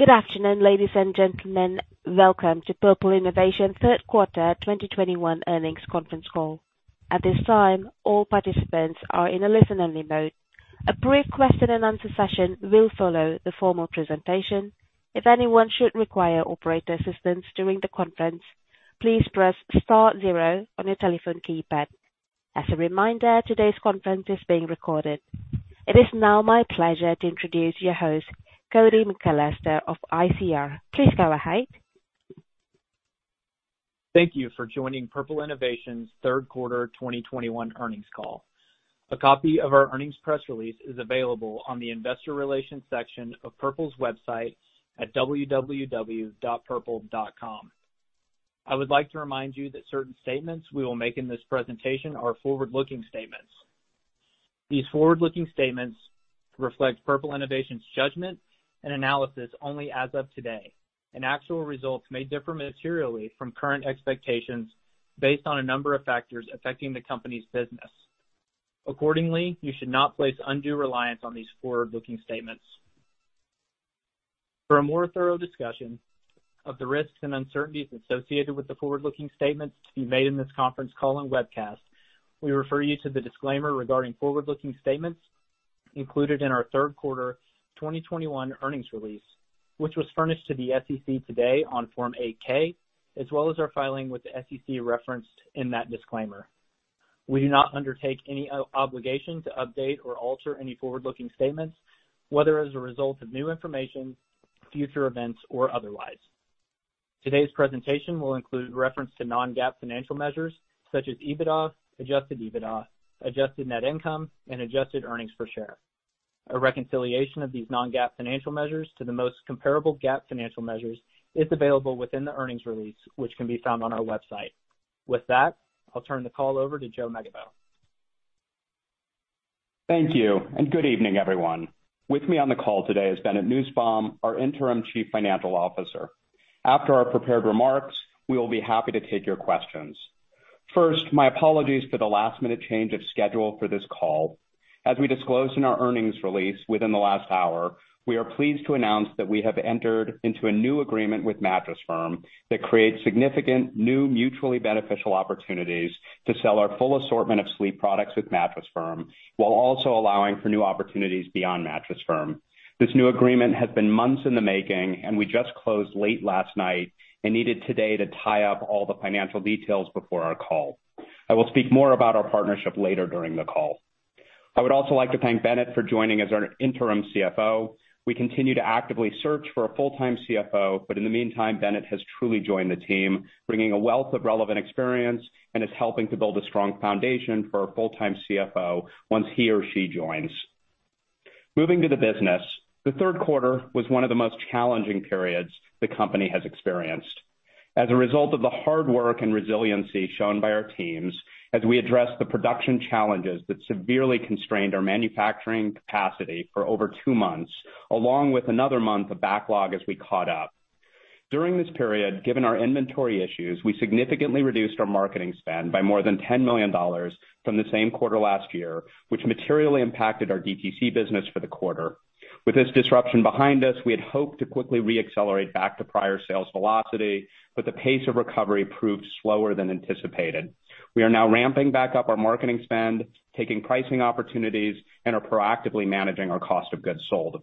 Good afternoon, ladies and gentlemen. Welcome to Purple Innovation third quarter 2021 earnings conference call. At this time, all participants are in a listen-only mode. A brief question and answer session will follow the formal presentation. If anyone should require operator assistance during the conference, please Press Star zero on your telephone keypad. As a reminder, today's conference is being recorded. It is now my pleasure to introduce your host, Cody McAlester of ICR. Please go ahead. Thank you for joining Purple Innovation's third quarter 2021 earnings call. A copy of our earnings press release is available on the investor relations section of Purple's website at www.purple.com. I would like to remind you that certain statements we will make in this presentation are forward-looking statements. These forward-looking statements reflect Purple Innovation's judgment and analysis only as of today, and actual results may differ materially from current expectations based on a number of factors affecting the company's business. Accordingly, you should not place undue reliance on these forward-looking statements. For a more thorough discussion of the risks and uncertainties associated with the forward-looking statements to be made in this conference call and webcast, we refer you to the disclaimer regarding forward-looking statements included in our third quarter 2021 earnings release, which was furnished to the SEC today on Form 8-K, as well as our filing with the SEC referenced in that disclaimer. We do not undertake any obligation to update or alter any forward-looking statements, whether as a result of new information, future events or otherwise. Today's presentation will include reference to non-GAAP financial measures such as EBITDA, adjusted EBITDA, adjusted net income and adjusted earnings per share. A reconciliation of these non-GAAP financial measures to the most comparable GAAP financial measures is available within the earnings release, which can be found on our website. With that, I'll turn the call over to Joe Megibow. Thank you and good evening, everyone. With me on the call today is Bennett Nussbaum, our Interim Chief Financial Officer. After our prepared remarks, we will be happy to take your questions. First, my apologies for the last minute change of schedule for this call. As we disclosed in our earnings release within the last hour, we are pleased to announce that we have entered into a new agreement with Mattress Firm that creates significant new mutually beneficial opportunities to sell our full assortment of sleep products with Mattress Firm, while also allowing for new opportunities beyond Mattress Firm. This new agreement has been months in the making and we just closed late last night and needed today to tie up all the financial details before our call. I will speak more about our partnership later during the call. I would also like to thank Bennett for joining as our interim CFO. We continue to actively search for a full-time CFO, but in the meantime, Bennett has truly joined the team, bringing a wealth of relevant experience and is helping to build a strong foundation for a full-time CFO once he or she joins. Moving to the business, the third quarter was one of the most challenging periods the company has experienced. As a result of the hard work and resiliency shown by our teams as we address the production challenges that severely constrained our manufacturing capacity for over two months, along with another month of backlog as we caught up. During this period, given our inventory issues, we significantly reduced our marketing spend by more than $10 million from the same quarter last year, which materially impacted our DTC business for the quarter. With this disruption behind us, we had hoped to quickly re-accelerate back to prior sales velocity, but the pace of recovery proved slower than anticipated. We are now ramping back up our marketing spend, taking pricing opportunities, and are proactively managing our cost of goods sold.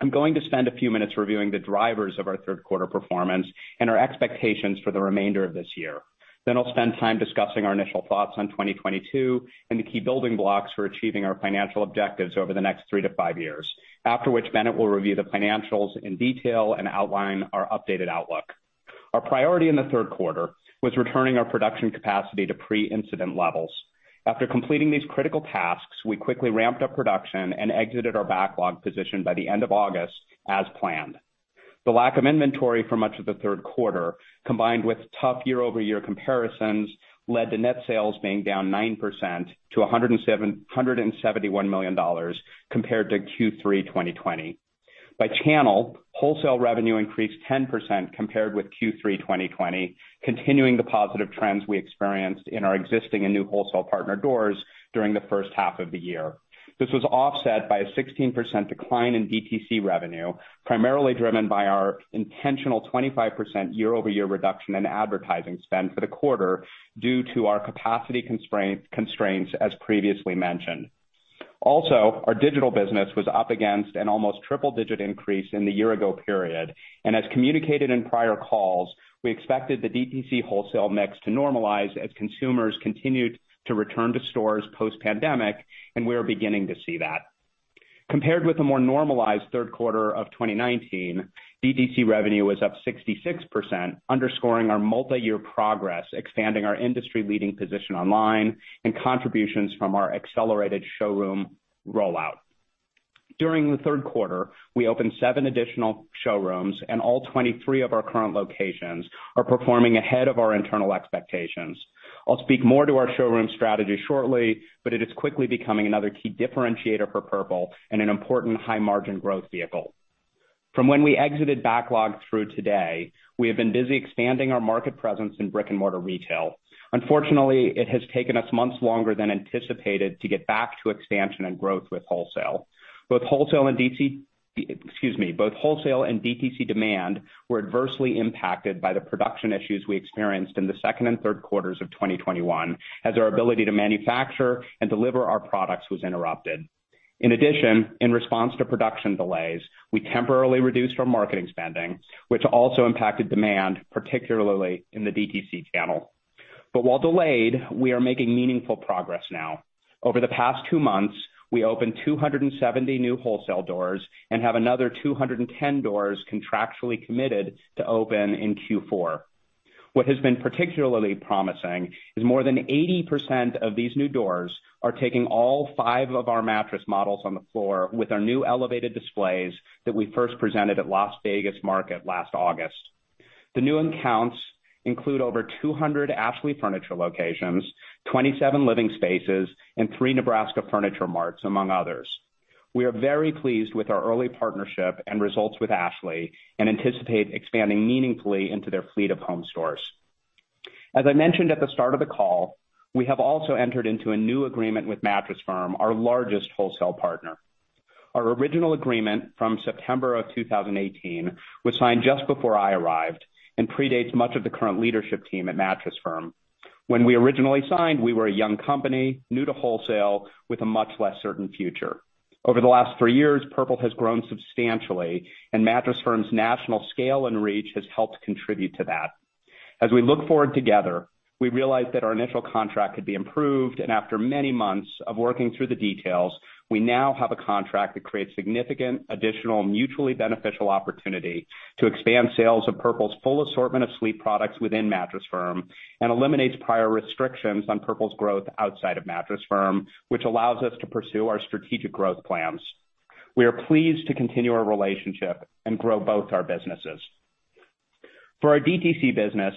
I'm going to spend a few minutes reviewing the drivers of our third quarter performance and our expectations for the remainder of this year. Then I'll spend time discussing our initial thoughts on 2022 and the key building blocks for achieving our financial objectives over the next three to five years. After which, Bennett will review the financials in detail and outline our updated outlook. Our priority in the third quarter was returning our production capacity to pre-incident levels. After completing these critical tasks, we quickly ramped up production and exited our backlog position by the end of August as planned. The lack of inventory for much of the third quarter, combined with tough year-over-year comparisons, led to net sales being down 9% to $171 million compared to Q3 2020. By channel, wholesale revenue increased 10% compared with Q3 2020, continuing the positive trends we experienced in our existing and new wholesale partner doors during the first half of the year. This was offset by a 16% decline in DTC revenue, primarily driven by our intentional 25% year-over-year reduction in advertising spend for the quarter due to our capacity constraints as previously mentioned. Also, our digital business was up against an almost triple-digit increase in the year-ago period, and as communicated in prior calls, we expected the DTC wholesale mix to normalize as consumers continued to return to stores post-pandemic, and we are beginning to see that. Compared with a more normalized third quarter of 2019, DTC revenue was up 66%, underscoring our multi-year progress expanding our industry-leading position online and contributions from our accelerated showroom rollout. During the third quarter, we opened seven additional showrooms and all 23 of our current locations are performing ahead of our internal expectations. I'll speak more to our showroom strategy shortly, but it is quickly becoming another key differentiator for Purple and an important high-margin growth vehicle. From when we exited backlog through today, we have been busy expanding our market presence in brick-and-mortar retail. Unfortunately, it has taken us months longer than anticipated to get back to expansion and growth with wholesale. Both wholesale and DTC demand were adversely impacted by the production issues we experienced in the second and third quarters of 2021, as our ability to manufacture and deliver our products was interrupted. In addition, in response to production delays, we temporarily reduced our marketing spending, which also impacted demand, particularly in the DTC channel. While delayed, we are making meaningful progress now. Over the past two months, we opened 270 new wholesale doors and have another 210 doors contractually committed to open in Q4. What has been particularly promising is more than 80% of these new doors are taking all five of our mattress models on the floor with our new elevated displays that we first presented at Las Vegas Market last August. The new accounts include over 200 Ashley Furniture locations, 27 Living Spaces, and 3 Nebraska Furniture Marts, among others. We are very pleased with our early partnership and results with Ashley, and anticipate expanding meaningfully into their fleet of home stores. As I mentioned at the start of the call, we have also entered into a new agreement with Mattress Firm, our largest wholesale partner. Our original agreement from September 2018 was signed just before I arrived and predates much of the current leadership team at Mattress Firm. When we originally signed, we were a young company, new to wholesale, with a much less certain future. Over the last three years, Purple has grown substantially, and Mattress Firm's national scale and reach has helped contribute to that. As we look forward together, we realize that our initial contract could be improved, and after many months of working through the details, we now have a contract that creates significant additional mutually beneficial opportunity to expand sales of Purple's full assortment of sleep products within Mattress Firm and eliminates prior restrictions on Purple's growth outside of Mattress Firm, which allows us to pursue our strategic growth plans. We are pleased to continue our relationship and grow both our businesses. For our DTC business,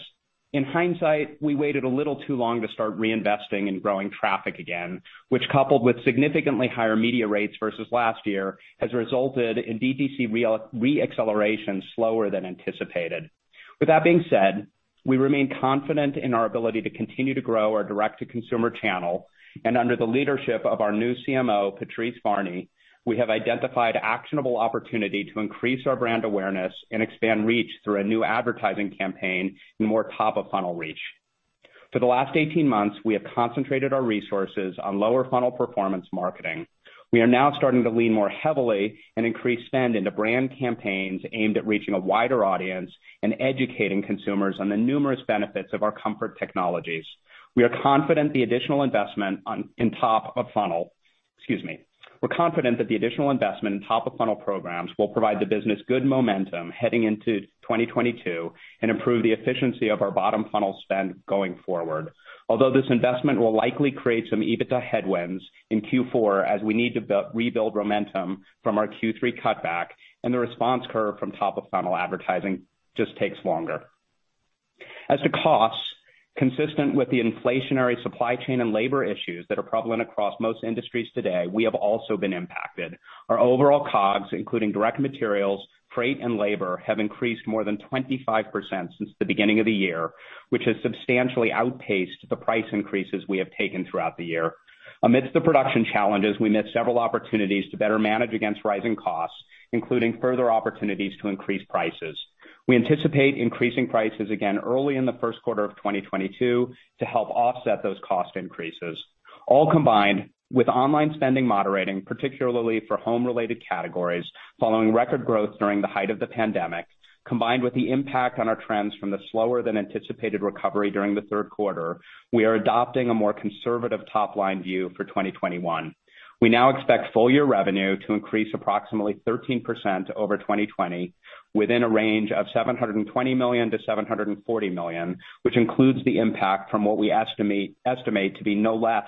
in hindsight, we waited a little too long to start reinvesting in growing traffic again, which, coupled with significantly higher media rates versus last year, has resulted in DTC re-acceleration slower than anticipated. With that being said, we remain confident in our ability to continue to grow our direct-to-consumer channel, and under the leadership of our new CMO, Patrice Varni, we have identified actionable opportunity to increase our brand awareness and expand reach through a new advertising campaign and more top-of-funnel reach. For the last 18 months, we have concentrated our resources on lower-funnel performance marketing. We are now starting to lean more heavily and increase spend into brand campaigns aimed at reaching a wider audience and educating consumers on the numerous benefits of our comfort technologies. We're confident that the additional investment in top-of-funnel programs will provide the business good momentum heading into 2022 and improve the efficiency of our bottom-funnel spend going forward. Although this investment will likely create some EBITDA headwinds in Q4 as we need to rebuild momentum from our Q3 cutback and the response curve from top-of-funnel advertising just takes longer. As to costs, consistent with the inflationary supply chain and labor issues that are prevalent across most industries today, we have also been impacted. Our overall COGS, including direct materials, freight, and labor, have increased more than 25% since the beginning of the year, which has substantially outpaced the price increases we have taken throughout the year. Amidst the production challenges, we missed several opportunities to better manage against rising costs, including further opportunities to increase prices. We anticipate increasing prices again early in the first quarter of 2022 to help offset those cost increases. All combined with online spending moderating, particularly for home-related categories, following record growth during the height of the pandemic, combined with the impact on our trends from the slower than anticipated recovery during the third quarter, we are adopting a more conservative top-line view for 2021. We now expect full year revenue to increase approximately 13% over 2020, within a range of $720 million-$740 million, which includes the impact from what we estimate to be no less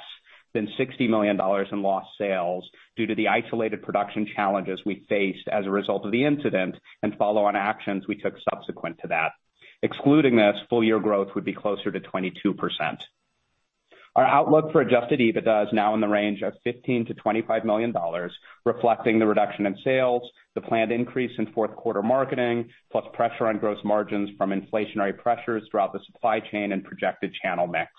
than $60 million in lost sales due to the isolated production challenges we faced as a result of the incident and follow-on actions we took subsequent to that. Excluding this, full year growth would be closer to 22%. Our outlook for adjusted EBITDA is now in the range of $15 million-$25 million, reflecting the reduction in sales, the planned increase in fourth quarter marketing, plus pressure on gross margins from inflationary pressures throughout the supply chain and projected channel mix.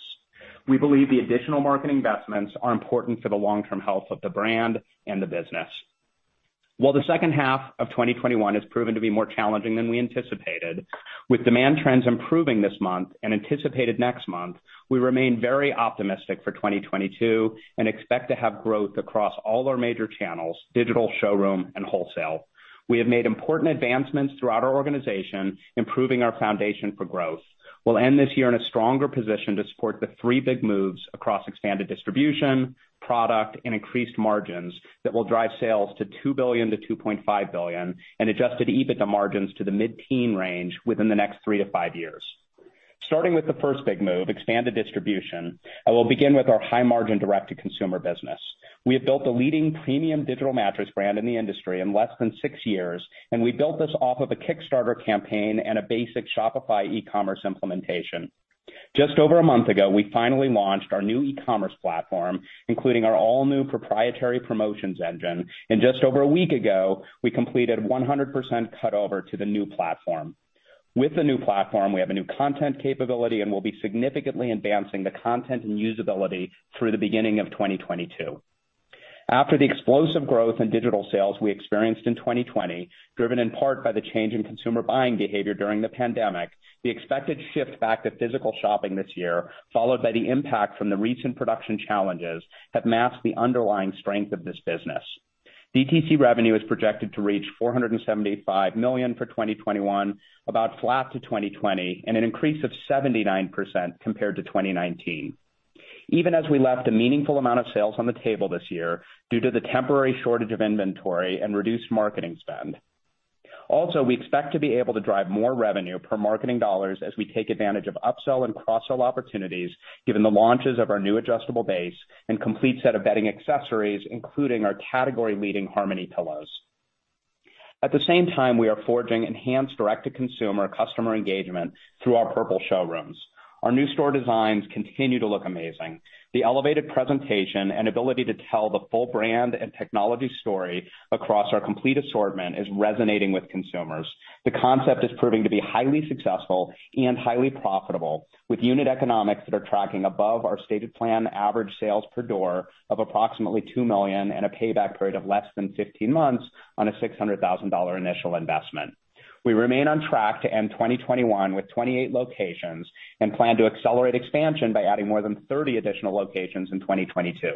We believe the additional marketing investments are important for the long-term health of the brand and the business. While the second half of 2021 has proven to be more challenging than we anticipated, with demand trends improving this month and anticipated next month, we remain very optimistic for 2022 and expect to have growth across all our major channels, digital, showroom, and wholesale. We have made important advancements throughout our organization, improving our foundation for growth. We'll end this year in a stronger position to support the 3 big moves across expanded distribution, product, and increased margins that will drive sales to $2 billion-$2.5 billion and adjusted EBITDA margins to the mid-teens range within the next 3-5 years. Starting with the first big move, expanded distribution, I will begin with our high-margin direct-to-consumer business. We have built the leading premium digital mattress brand in the industry in less than six years, and we built this off of a Kickstarter campaign and a basic Shopify e-commerce implementation. Just over a month ago, we finally launched our new e-commerce platform, including our all-new proprietary promotions engine. Just over a week ago, we completed 100% cut over to the new platform. With the new platform, we have a new content capability, and we'll be significantly advancing the content and usability through the beginning of 2022. After the explosive growth in digital sales we experienced in 2020, driven in part by the change in consumer buying behavior during the pandemic, the expected shift back to physical shopping this year, followed by the impact from the recent production challenges, have masked the underlying strength of this business. DTC revenue is projected to reach $475 million for 2021, about flat to 2020, and an increase of 79% compared to 2019. Even as we left a meaningful amount of sales on the table this year due to the temporary shortage of inventory and reduced marketing spend. We expect to be able to drive more revenue per marketing dollars as we take advantage of upsell and cross-sell opportunities, given the launches of our new adjustable base and complete set of bedding accessories, including our category-leading Harmony pillows. At the same time, we are forging enhanced direct-to-consumer customer engagement through our Purple showrooms. Our new store designs continue to look amazing. The elevated presentation and ability to tell the full brand and technology story across our complete assortment is resonating with consumers. The concept is proving to be highly successful and highly profitable, with unit economics that are tracking above our stated plan average sales per door of approximately $2 million and a payback period of less than 15 months on a $600,000 initial investment. We remain on track to end 2021 with 28 locations and plan to accelerate expansion by adding more than 30 additional locations in 2022.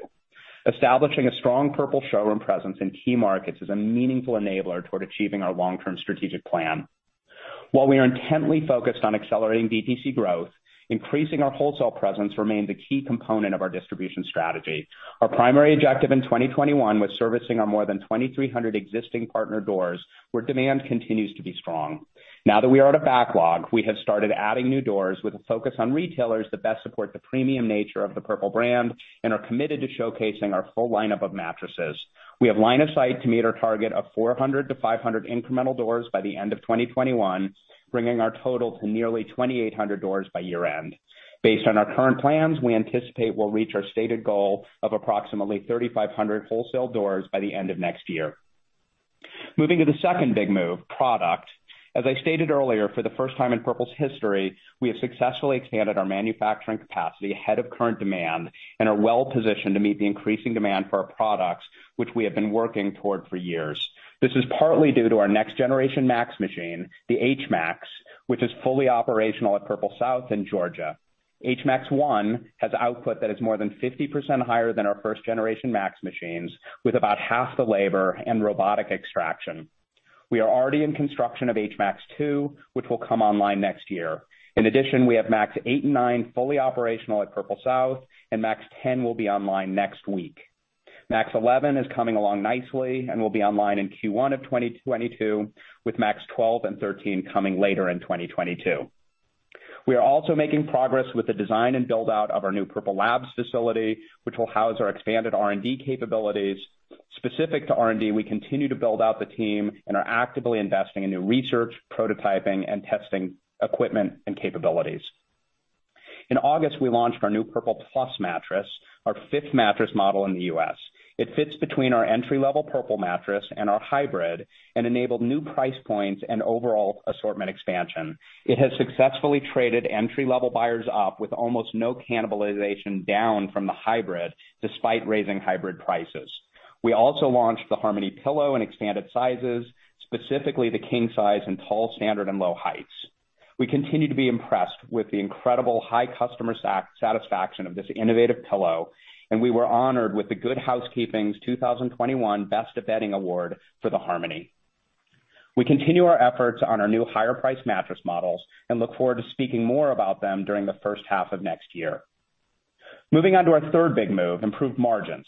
Establishing a strong Purple showroom presence in key markets is a meaningful enabler toward achieving our long-term strategic plan. While we are intently focused on accelerating DTC growth, increasing our wholesale presence remains a key component of our distribution strategy. Our primary objective in 2021 was servicing our more than 2,300 existing partner doors, where demand continues to be strong. Now that we are at a backlog, we have started adding new doors with a focus on retailers that best support the premium nature of the Purple brand and are committed to showcasing our full lineup of mattresses. We have line of sight to meet our target of 400-500 incremental doors by the end of 2021, bringing our total to nearly 2,800 doors by year-end. Based on our current plans, we anticipate we'll reach our stated goal of approximately 3,500 wholesale doors by the end of next year. Moving to the second big move, product. As I stated earlier, for the first time in Purple's history, we have successfully expanded our manufacturing capacity ahead of current demand and are well-positioned to meet the increasing demand for our products, which we have been working toward for years. This is partly due to our next-generation Max machine, the H Max, which is fully operational at Purple South in Georgia. HMax 1 has output that is more than 50% higher than our first-generation Max machines, with about half the labor and robotic extraction. We are already in construction of HMax 2, which will come online next year. In addition, we have Max eight and nine fully operational at Purple South, and Max 10 will be online next week. Max 11 is coming along nicely and will be online in Q1 of 2022, with Max 12 and 13 coming later in 2022. We are also making progress with the design and build-out of our new Purple Labs facility, which will house our expanded R&D capabilities. Specific to R&D, we continue to build out the team and are actively investing in new research, prototyping, and testing equipment and capabilities. In August, we launched our new Purple Plus mattress, our fifth mattress model in the U.S. It fits between our entry-level Purple mattress and our hybrid and enabled new price points and overall assortment expansion. It has successfully traded entry-level buyers up with almost no cannibalization down from the hybrid, despite raising hybrid prices. We also launched the Harmony pillow in expanded sizes, specifically the king size in tall, standard, and low heights. We continue to be impressed with the incredible high customer satisfaction of this innovative pillow, and we were honored with the Good Housekeeping's 2021 Best Bedding Award for the Harmony. We continue our efforts on our new higher-priced mattress models and look forward to speaking more about them during the first half of next year. Moving on to our third big move, improved margins.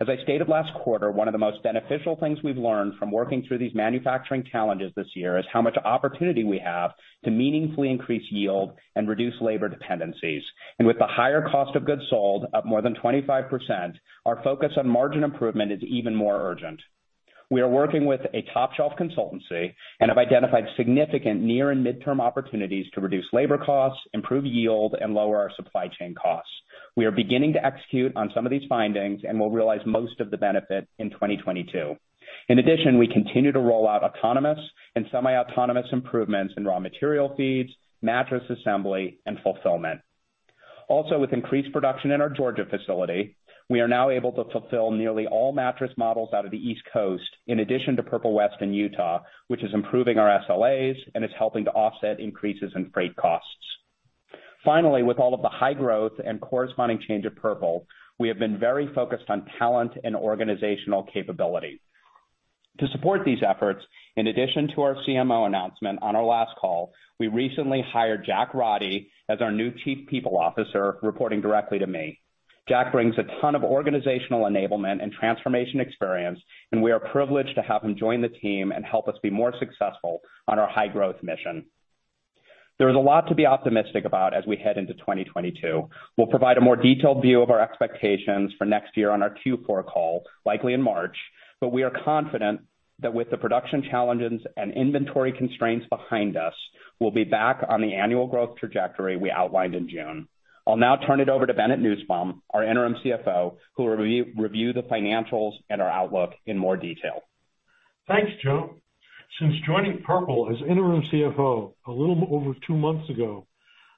As I stated last quarter, one of the most beneficial things we've learned from working through these manufacturing challenges this year is how much opportunity we have to meaningfully increase yield and reduce labor dependencies. With the higher cost of goods sold, up more than 25%, our focus on margin improvement is even more urgent. We are working with a top-shelf consultancy and have identified significant near and mid-term opportunities to reduce labor costs, improve yield, and lower our supply chain costs. We are beginning to execute on some of these findings and will realize most of the benefit in 2022. In addition, we continue to roll out autonomous and semi-autonomous improvements in raw material feeds, mattress assembly, and fulfillment. With increased production in our Georgia facility, we are now able to fulfill nearly all mattress models out of the East Coast, in addition to Purple West in Utah, which is improving our SLAs and is helping to offset increases in freight costs. Finally, with all of the high growth and corresponding change at Purple, we have been very focused on talent and organizational capability. To support these efforts, in addition to our CMO announcement on our last call, we recently hired Jack Roddy as our new Chief People Officer, reporting directly to me. Jack brings a ton of organizational enablement and transformation experience, and we are privileged to have him join the team and help us be more successful on our high-growth mission. There is a lot to be optimistic about as we head into 2022. We'll provide a more detailed view of our expectations for next year on our Q4 call, likely in March. We are confident that with the production challenges and inventory constraints behind us, we'll be back on the annual growth trajectory we outlined in June. I'll now turn it over to Bennett Nussbaum, our Interim CFO, who will review the financials and our outlook in more detail. Thanks, Joe. Since joining Purple as interim CFO a little over two months ago,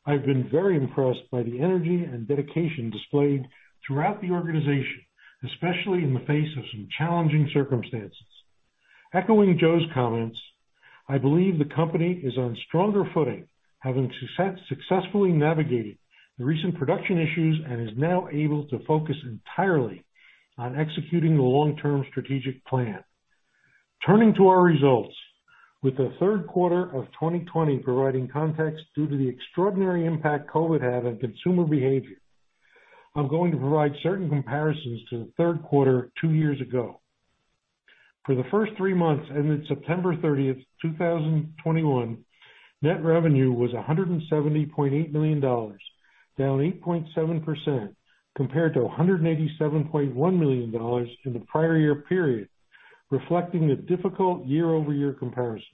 I've been very impressed by the energy and dedication displayed throughout the organization, especially in the face of some challenging circumstances. Echoing Joe's comments, I believe the company is on stronger footing, having successfully navigated the recent production issues, and is now able to focus entirely on executing the long-term strategic plan. Turning to our results, with the third quarter of 2020 providing context due to the extraordinary impact COVID had on consumer behavior, I'm going to provide certain comparisons to the third quarter two years ago. For the first three months ended 30th September 2021, net revenue was $170.8 million, down 8.7% compared to $187.1 million in the prior year period, reflecting a difficult year-over-year comparison.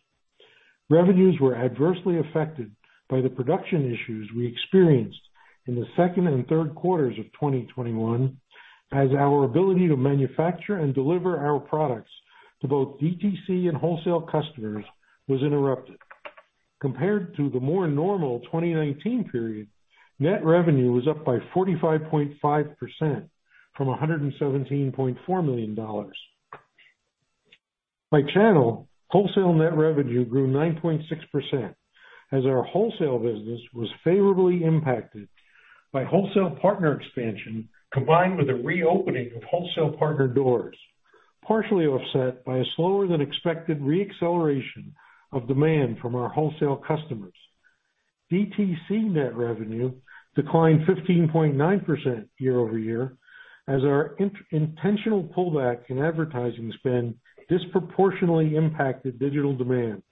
Revenues were adversely affected by the production issues we experienced in the second and third quarters of 2021, as our ability to manufacture and deliver our products to both DTC and wholesale customers was interrupted. Compared to the more normal 2019 period, net revenue was up by 45.5% from $117.4 million. By channel, wholesale net revenue grew 9.6% as our wholesale business was favorably impacted by wholesale partner expansion, combined with the reopening of wholesale partner doors, partially offset by a slower than expected re-acceleration of demand from our wholesale customers. DTC net revenue declined 15.9% year-over-year as our intentional pullback in advertising spend disproportionately impacted digital demand,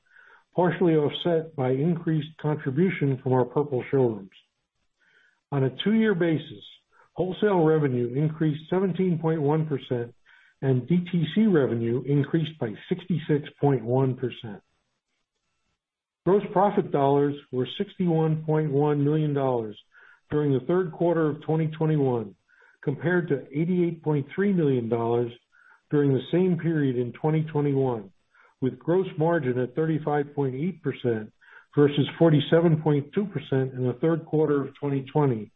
partially offset by increased contribution from our Purple showrooms. On a two year basis, wholesale revenue increased 17.1% and DTC revenue increased by 66.1%. Gross profit dollars were $61.1 million during the third quarter of 2021, compared to $88.3 million during the same period in 2020, with gross margin at 35.8% versus 47.2% in the third quarter of 2020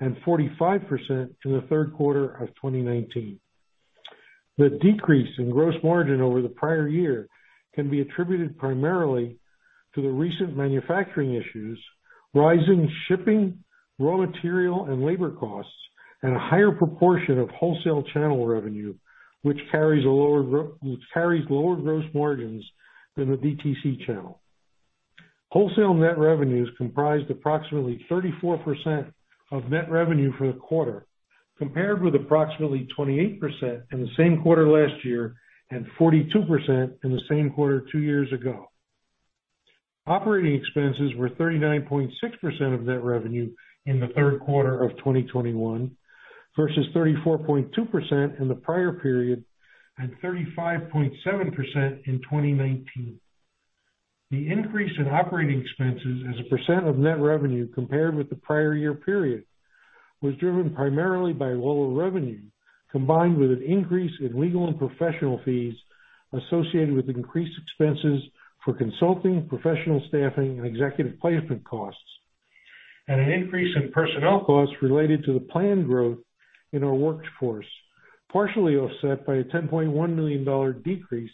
and 45% in the third quarter of 2019. The decrease in gross margin over the prior year can be attributed primarily to the recent manufacturing issues, rising shipping, raw material and labor costs, and a higher proportion of wholesale channel revenue, which carries lower gross margins than the DTC channel. Wholesale net revenue is comprised approximately 34% of net revenue for the quarter, compared with approximately 28% in the same quarter last year and 42% in the same quarter two years ago. Operating expenses were 39.6% of net revenue in the third quarter of 2021, versus 34.2% in the prior period and 35.7% in 2019. The increase in operating expenses as a percent of net revenue compared with the prior year period was driven primarily by lower revenue, combined with an increase in legal and professional fees associated with increased expenses for consulting, professional staffing and executive placement costs, and an increase in personnel costs related to the planned growth in our workforce, partially offset by a $10.1 million decrease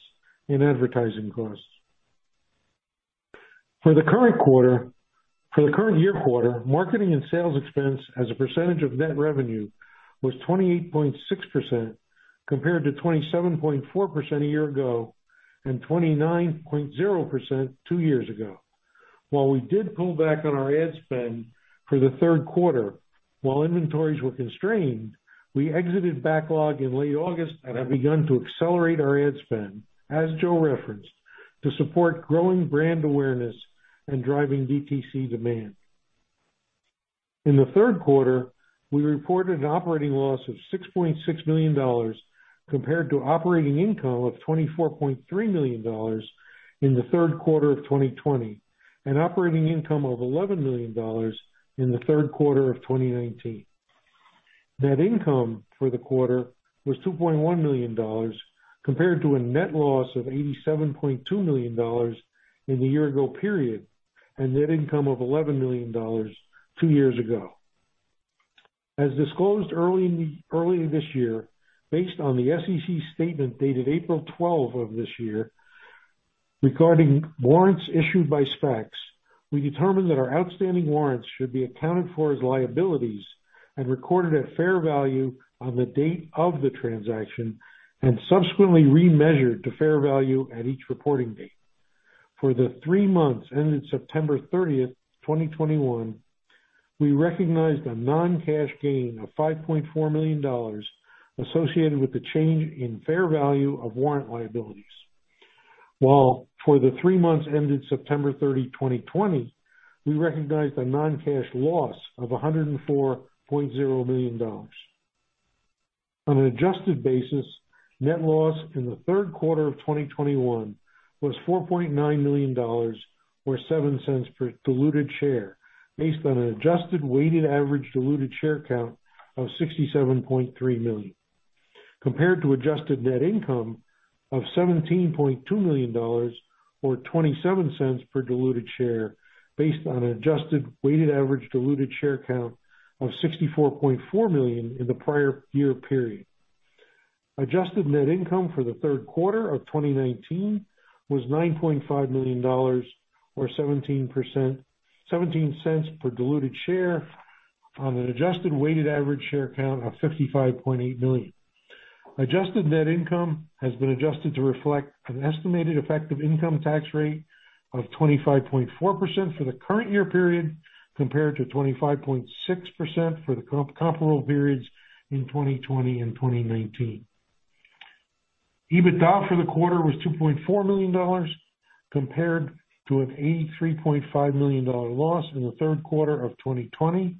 in advertising costs. For the current year quarter, marketing and sales expense as a percentage of net revenue was 28.6%, compared to 27.4% a year ago and 29.0% two years ago. While we did pull back on our ad spend for the third quarter while inventories were constrained, we exited backlog in late August and have begun to accelerate our ad spend, as Joe referenced, to support growing brand awareness and driving DTC demand. In the third quarter, we reported an operating loss of $6.6 million, compared to operating income of $24.3 million in the third quarter of 2020 and operating income of $11 million in the third quarter of 2019. Net income for the quarter was $2.1 million, compared to a net loss of $87.2 million in the year ago period and net income of $11 million two years ago. As disclosed early in this year, based on the SEC statement dated 12th April of this year regarding warrants issued by SPACs, we determined that our outstanding warrants should be accounted for as liabilities and recorded at fair value on the date of the transaction and subsequently remeasured to fair value at each reporting date. For the three months ended September 30, 2021, we recognized a non-cash gain of $5.4 million associated with the change in fair value of warrant liabilities. While for the three months ended 30th September 2020, we recognized a non-cash loss of $104.0 million. On an adjusted basis, net loss in the third quarter of 2021 was $40.9 million or $0.07 per diluted share, based on an adjusted weighted average diluted share count of 67.3 million, compared to adjusted net income of $17.2 million or $0.27 per diluted share, based on an adjusted weighted average diluted share count of 64.4 million in the prior year period. Adjusted net income for the third quarter of 2019 was $9.5 million or 17 cents per diluted share on an adjusted weighted average share count of 55.8 million. Adjusted net income has been adjusted to reflect an estimated effective income tax rate of 25.4% for the current year period, compared to 25.6% for the comparable periods in 2020 and 2019. EBITDA for the quarter was $2.4 million compared to an $83.5 million loss in the third quarter of 2020,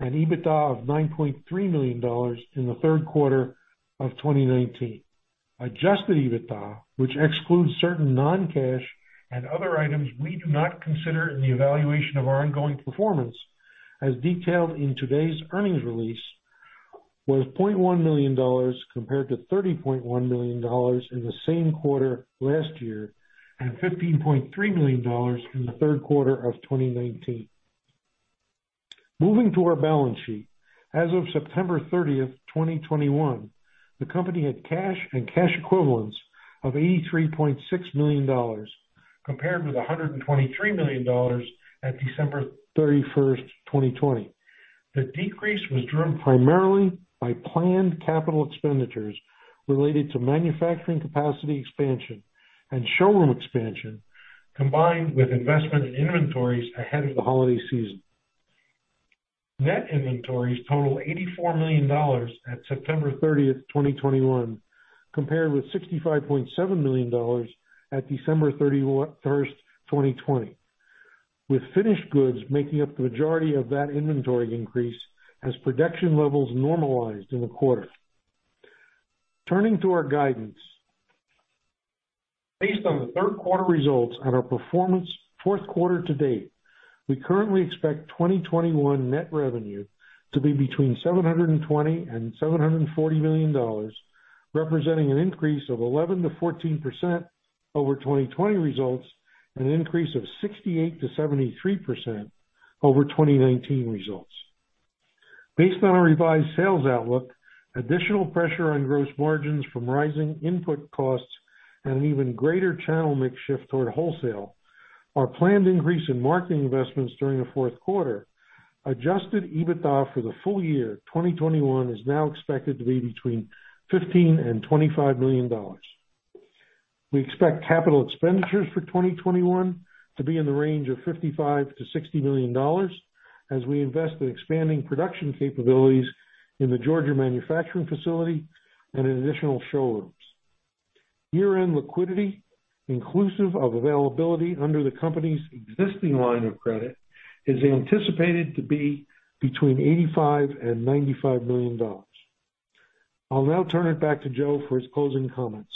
and EBITDA of $9.3 million in the third quarter of 2019. Adjusted EBITDA, which excludes certain non-cash and other items we do not consider in the evaluation of our ongoing performance, as detailed in today's earnings release, was $0.1 million compared to $30.1 million in the same quarter last year, and $15.3 million in the third quarter of 2019. Moving to our balance sheet. As of 30th September 2021, the company had cash and cash equivalents of $83.6 million, compared with $123 million at 31st December 2020. The decrease was driven primarily by planned capital expenditures related to manufacturing capacity expansion and showroom expansion, combined with investment in inventories ahead of the holiday season. Net inventories totaled $84 million at 30th September 2021, compared with $65.7 million at 31st December 2020, with finished goods making up the majority of that inventory increase as production levels normalized in the quarter. Turning to our guidance. Based on the third quarter results and our performance fourth quarter to date, we currently expect 2021 net revenue to be between $720 million and $740 million, representing an increase of 11%-14% over 2020 results and an increase of 68%-73% over 2019 results. Based on our revised sales outlook, additional pressure on gross margins from rising input costs and an even greater channel mix shift toward wholesale, our planned increase in marketing investments during the fourth quarter, adjusted EBITDA for the full year 2021 is now expected to be between $15 million and $25 million. We expect capital expenditures for 2021 to be in the range of $55 million to $60 million as we invest in expanding production capabilities in the Georgia manufacturing facility and in additional showrooms. Year-end liquidity, inclusive of availability under the company's existing line of credit, is anticipated to be between $85 million and $95 million. I'll now turn it back to Joe for his closing comments.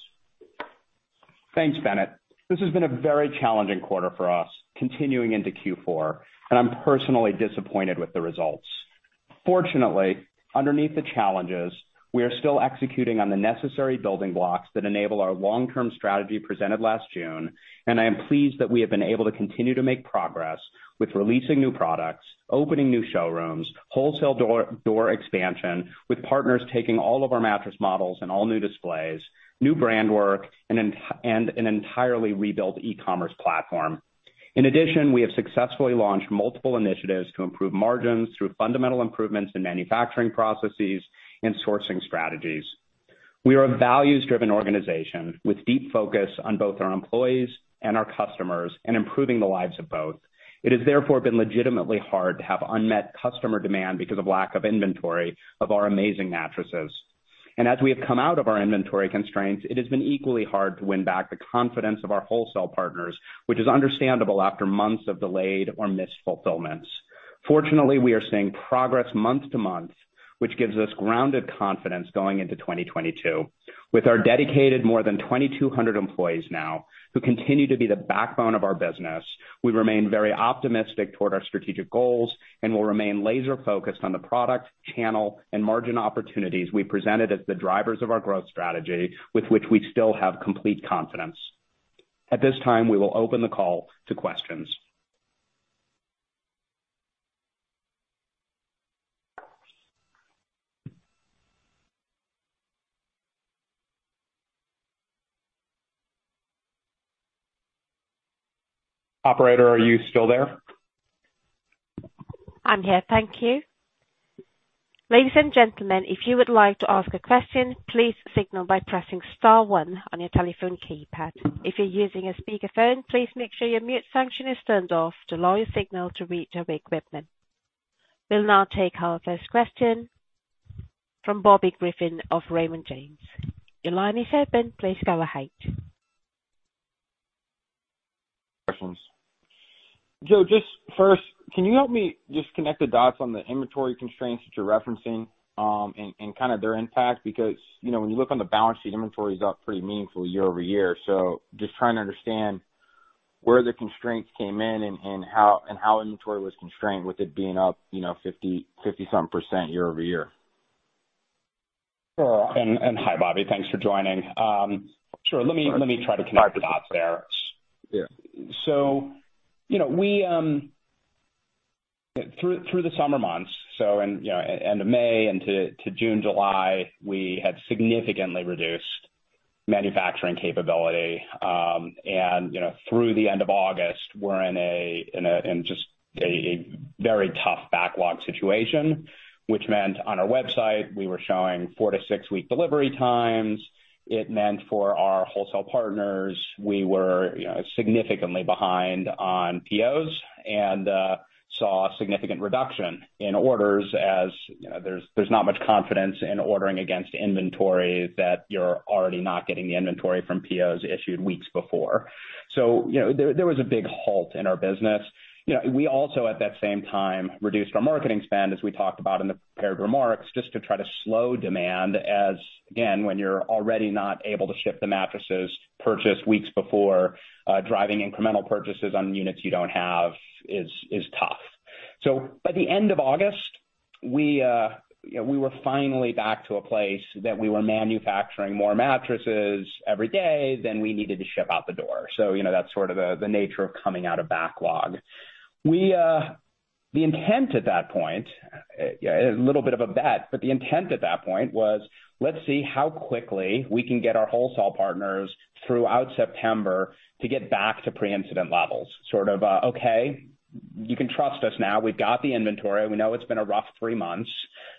Thanks, Bennett. This has been a very challenging quarter for us, continuing into Q4, and I'm personally disappointed with the results. Fortunately, underneath the challenges, we are still executing on the necessary building blocks that enable our long-term strategy presented last June. I am pleased that we have been able to continue to make progress with releasing new products, opening new showrooms, wholesale door expansion with partners taking all of our mattress models and all new displays, new brand work, and an entirely rebuilt e-commerce platform. In addition, we have successfully launched multiple initiatives to improve margins through fundamental improvements in manufacturing processes and sourcing strategies. We are a values-driven organization with deep focus on both our employees and our customers and improving the lives of both. It has therefore been legitimately hard to have unmet customer demand because of lack of inventory of our amazing mattresses. As we have come out of our inventory constraints, it has been equally hard to win back the confidence of our wholesale partners, which is understandable after months of delayed or missed fulfillments. Fortunately, we are seeing progress month to month, which gives us grounded confidence going into 2022. With our dedicated more than 2,200 employees now, who continue to be the backbone of our business, we remain very optimistic toward our strategic goals and will remain laser-focused on the product, channel, and margin opportunities we presented as the drivers of our growth strategy, with which we still have complete confidence. At this time, we will open the call to questions. Operator, are you still there? I'm here. Thank you. Ladies and gentlemen, if you would like to ask a question, please signal by pressing star one on your telephone keypad. If you're using a speakerphone, please make sure your mute function is turned off to allow your signal to reach our equipment. We'll now take our first question from Bobby Griffin of Raymond James. Your line is open. Please go ahead. Questions. Joe, first, can you help me connect the dots on the inventory constraints that you're referencing and kind of their impact? Because, you know, when you look on the balance sheet, inventory is up pretty meaningful year-over-year. Just trying to understand where the constraints came in and how inventory was constrained with it being up, you know, 50-something% year-over-year. Sure. Hi, Bobby. Thanks for joining. Sure. Let me try to connect the dots there. Yeah. You know, we through the summer months, end of May to June, July, had significantly reduced manufacturing capability. You know, through the end of August, we're in just a very tough backlog situation, which meant on our website we were showing 4-6-week delivery times. It meant for our wholesale partners, we were, you know, significantly behind on POs and saw a significant reduction in orders as, you know, there's not much confidence in ordering against inventory that you're already not getting the inventory from POs issued weeks before. You know, there was a big halt in our business. You know, we also at that same time reduced our marketing spend, as we talked about in the prepared remarks, just to try to slow demand as, again, when you're already not able to ship the mattresses purchased weeks before, driving incremental purchases on units you don't have is tough. By the end of August, we, you know, we were finally back to a place that we were manufacturing more mattresses every day than we needed to ship out the door. You know, that's sort of the nature of coming out of backlog. We, the intent at that point, you know, a little bit of a bet, but the intent at that point was, let's see how quickly we can get our wholesale partners throughout September to get back to pre-incident levels, sort of, okay, you can trust us now. We've got the inventory. We know it's been a rough three months,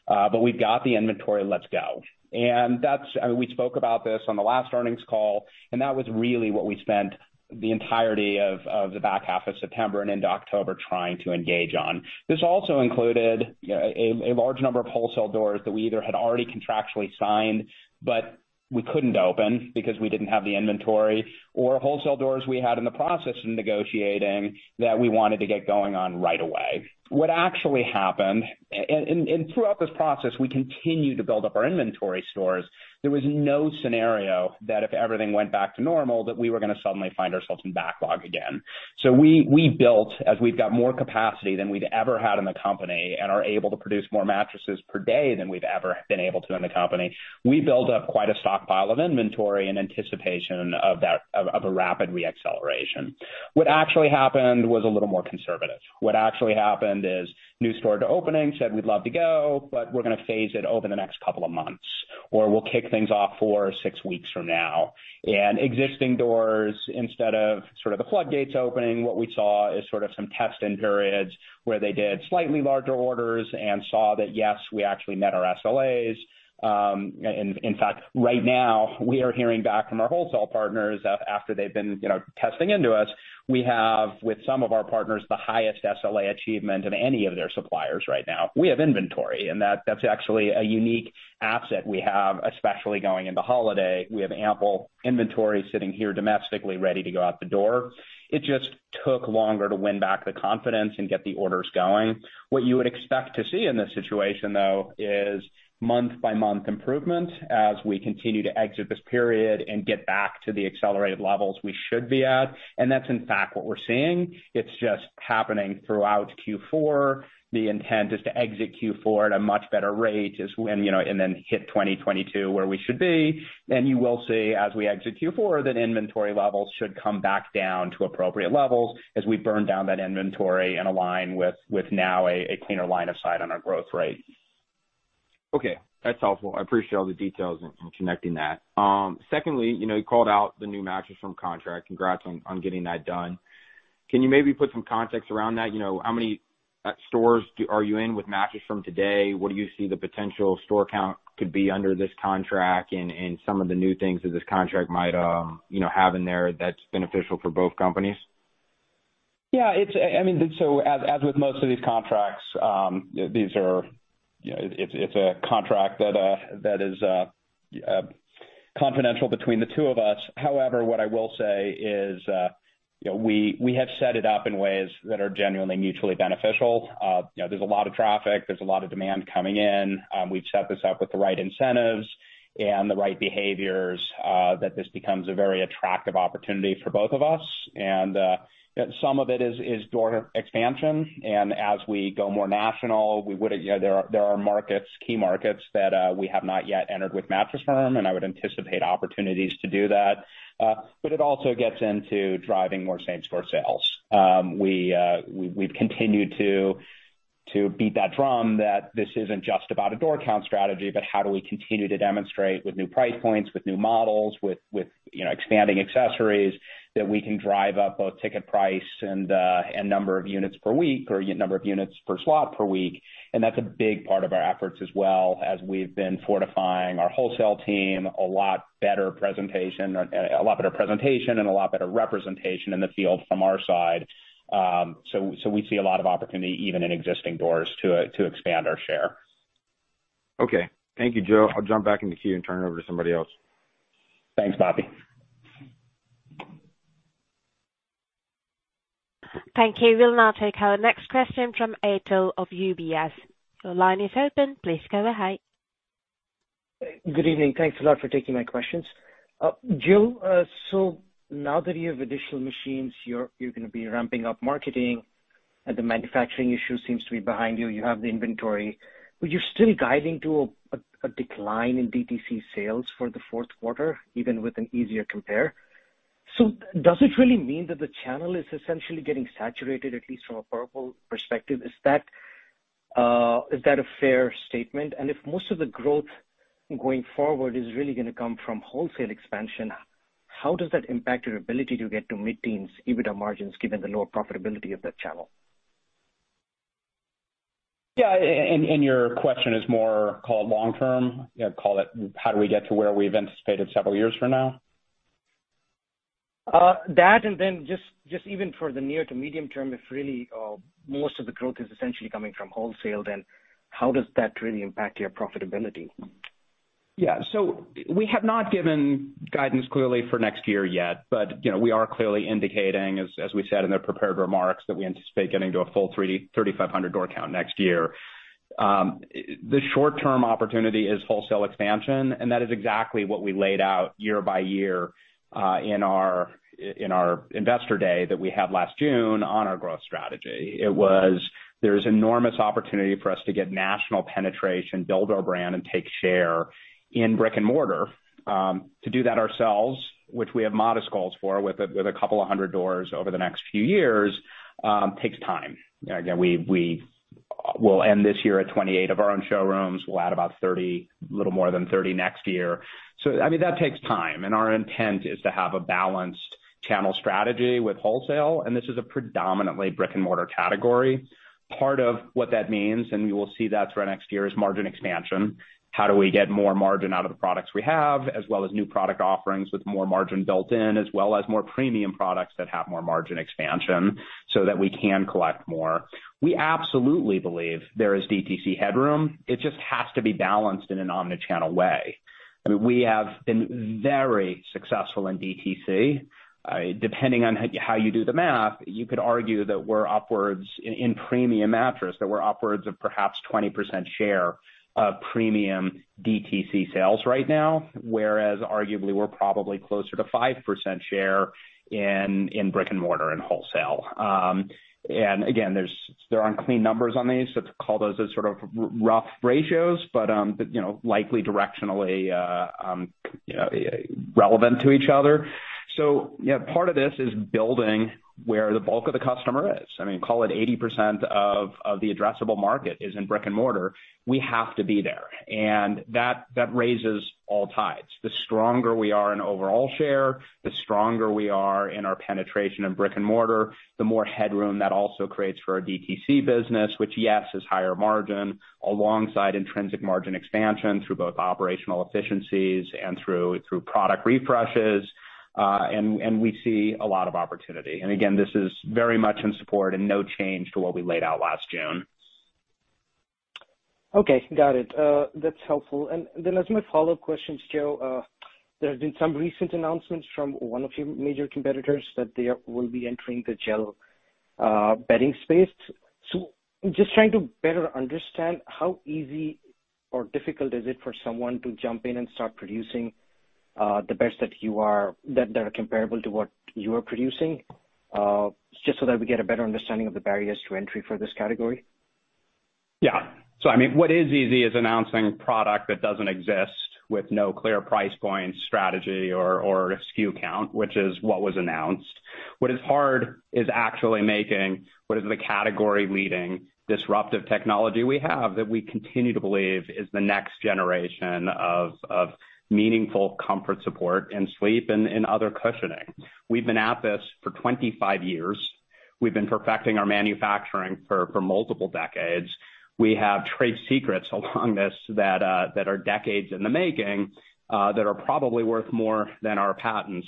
but we've got the inventory. Let's go. That's. I mean, we spoke about this on the last earnings call, and that was really what we spent the entirety of the back half of September and into October trying to engage on. This also included, you know, a large number of wholesale doors that we either had already contractually signed, but we couldn't open because we didn't have the inventory or wholesale doors we had in the process of negotiating that we wanted to get going on right away. What actually happened, and throughout this process, we continued to build up our inventory stores. There was no scenario that if everything went back to normal, that we were gonna suddenly find ourselves in backlog again. We built, as we've got more capacity than we'd ever had in the company and are able to produce more mattresses per day than we've ever been able to in the company, we built up quite a stockpile of inventory in anticipation of that, of a rapid re-acceleration. What actually happened was a little more conservative. What actually happened is new store openings said we'd love to go, but we're gonna phase it over the next couple of months, or we'll kick things off four or six weeks from now. Existing doors, instead of sort of the floodgates opening, what we saw is sort of some testing periods where they did slightly larger orders and saw that, yes, we actually met our SLAs. In fact, right now we are hearing back from our wholesale partners after they've been, you know, testing into us. We have, with some of our partners, the highest SLA achievement of any of their suppliers right now. We have inventory, and that's actually a unique asset we have, especially going into holiday. We have ample inventory sitting here domestically ready to go out the door. It just took longer to win back the confidence and get the orders going. What you would expect to see in this situation, though, is month by month improvement as we continue to exit this period and get back to the accelerated levels we should be at. That's in fact what we're seeing. It's just happening throughout Q4. The intent is to exit Q4 at a much better rate than when, you know, and then hit 2022 where we should be. You will see as we exit Q4 that inventory levels should come back down to appropriate levels as we burn down that inventory and align with now a cleaner line of sight on our growth rate. Okay, that's helpful. I appreciate all the details in connecting that. Secondly, you know, you called out the new Mattress Firm contract. Congrats on getting that done. Can you maybe put some context around that? You know, how many stores are you in with Mattress Firm today? What do you see the potential store count could be under this contract and some of the new things that this contract might, you know, have in there that's beneficial for both companies? I mean, as with most of these contracts, these are, you know, it's a contract that is confidential between the two of us. However, what I will say is, you know, we have set it up in ways that are genuinely mutually beneficial. You know, there's a lot of traffic, there's a lot of demand coming in. We've set this up with the right incentives and the right behaviors that this becomes a very attractive opportunity for both of us. Some of it is door expansion. As we go more national, we would, you know, there are key markets that we have not yet entered with Mattress Firm, and I would anticipate opportunities to do that. It also gets into driving more same-store sales. We've continued to beat that drum that this isn't just about a door count strategy, but how do we continue to demonstrate with new price points, with new models, with you know, expanding accessories that we can drive up both ticket price and number of units per week or number of units per slot per week. That's a big part of our efforts as well as we've been fortifying our wholesale team, a lot better presentation and a lot better representation in the field from our side. So we see a lot of opportunity even in existing doors to expand our share. Okay. Thank you, Joe. I'll jump back in the queue and turn it over to somebody else. Thanks, Bobby. Thank you. We'll now take our next question from Atul of UBS. Your line is open. Please go ahead. Good evening. Thanks a lot for taking my questions. Joe, so now that you have additional machines, you're gonna be ramping up marketing and the manufacturing issue seems to be behind you. You have the inventory, but you're still guiding to a decline in DTC sales for the fourth quarter, even with an easier compare. Does it really mean that the channel is essentially getting saturated, at least from a Purple perspective? Is that a fair statement? If most of the growth going forward is really gonna come from wholesale expansion, how does that impact your ability to get to mid-teens EBITDA margins given the lower profitability of that channel? Yeah. Your question is more call it long term, you know, call it how do we get to where we've anticipated several years from now? That and then just even for the near to medium term, if really most of the growth is essentially coming from wholesale, then how does that really impact your profitability? Yeah. We have not given guidance clearly for next year yet. You know, we are clearly indicating, as we said in the prepared remarks, that we anticipate getting to a full 3,500 door count next year. The short term opportunity is wholesale expansion, and that is exactly what we laid out year by year in our investor day that we had last June on our growth strategy. There's enormous opportunity for us to get national penetration, build our brand and take share in brick-and-mortar. To do that ourselves, which we have modest goals for with a couple of hundred doors over the next few years, takes time. Again, we will end this year at 28 of our own showrooms. We'll add about 30, a little more than 30 next year. I mean, that takes time and our intent is to have a balanced channel strategy with wholesale, and this is a predominantly brick-and-mortar category. Part of what that means, and we will see that through next year, is margin expansion. How do we get more margin out of the products we have, as well as new product offerings with more margin built in, as well as more premium products that have more margin expansion so that we can collect more? We absolutely believe there is DTC headroom. It just has to be balanced in an omni-channel way. I mean, we have been very successful in DTC. Depending on how you do the math, you could argue that we're upwards in premium mattress, that we're upwards of perhaps 20% share of premium DTC sales right now, whereas arguably we're probably closer to 5% share in brick-and-mortar and wholesale. Again, there aren't clean numbers on these, so call those as sort of rough ratios, but you know, likely directionally relevant to each other. Yeah, part of this is building where the bulk of the customer is. I mean, call it 80% of the addressable market is in brick-and-mortar. We have to be there. That raises all tides. The stronger we are in overall share, the stronger we are in our penetration in brick-and-mortar, the more headroom that also creates for our DTC business, which, yes, is higher margin alongside intrinsic margin expansion through both operational efficiencies and through product refreshes. We see a lot of opportunity. Again, this is very much in support and no change to what we laid out last June. Okay. Got it. That's helpful. As my follow-up question, Joe, there's been some recent announcements from one of your major competitors that they will be entering the gel bedding space. Just trying to better understand how easy or difficult is it for someone to jump in and start producing the beds that are comparable to what you are producing? Just so that we get a better understanding of the barriers to entry for this category. Yeah. I mean, what is easy is announcing product that doesn't exist with no clear price point strategy or SKU count, which is what was announced. What is hard is actually making what is the category leading disruptive technology we have that we continue to believe is the next generation of meaningful comfort, support and sleep and other cushioning. We've been at this for 25 years. We've been perfecting our manufacturing for multiple decades. We have trade secrets along this that are decades in the making that are probably worth more than our patents.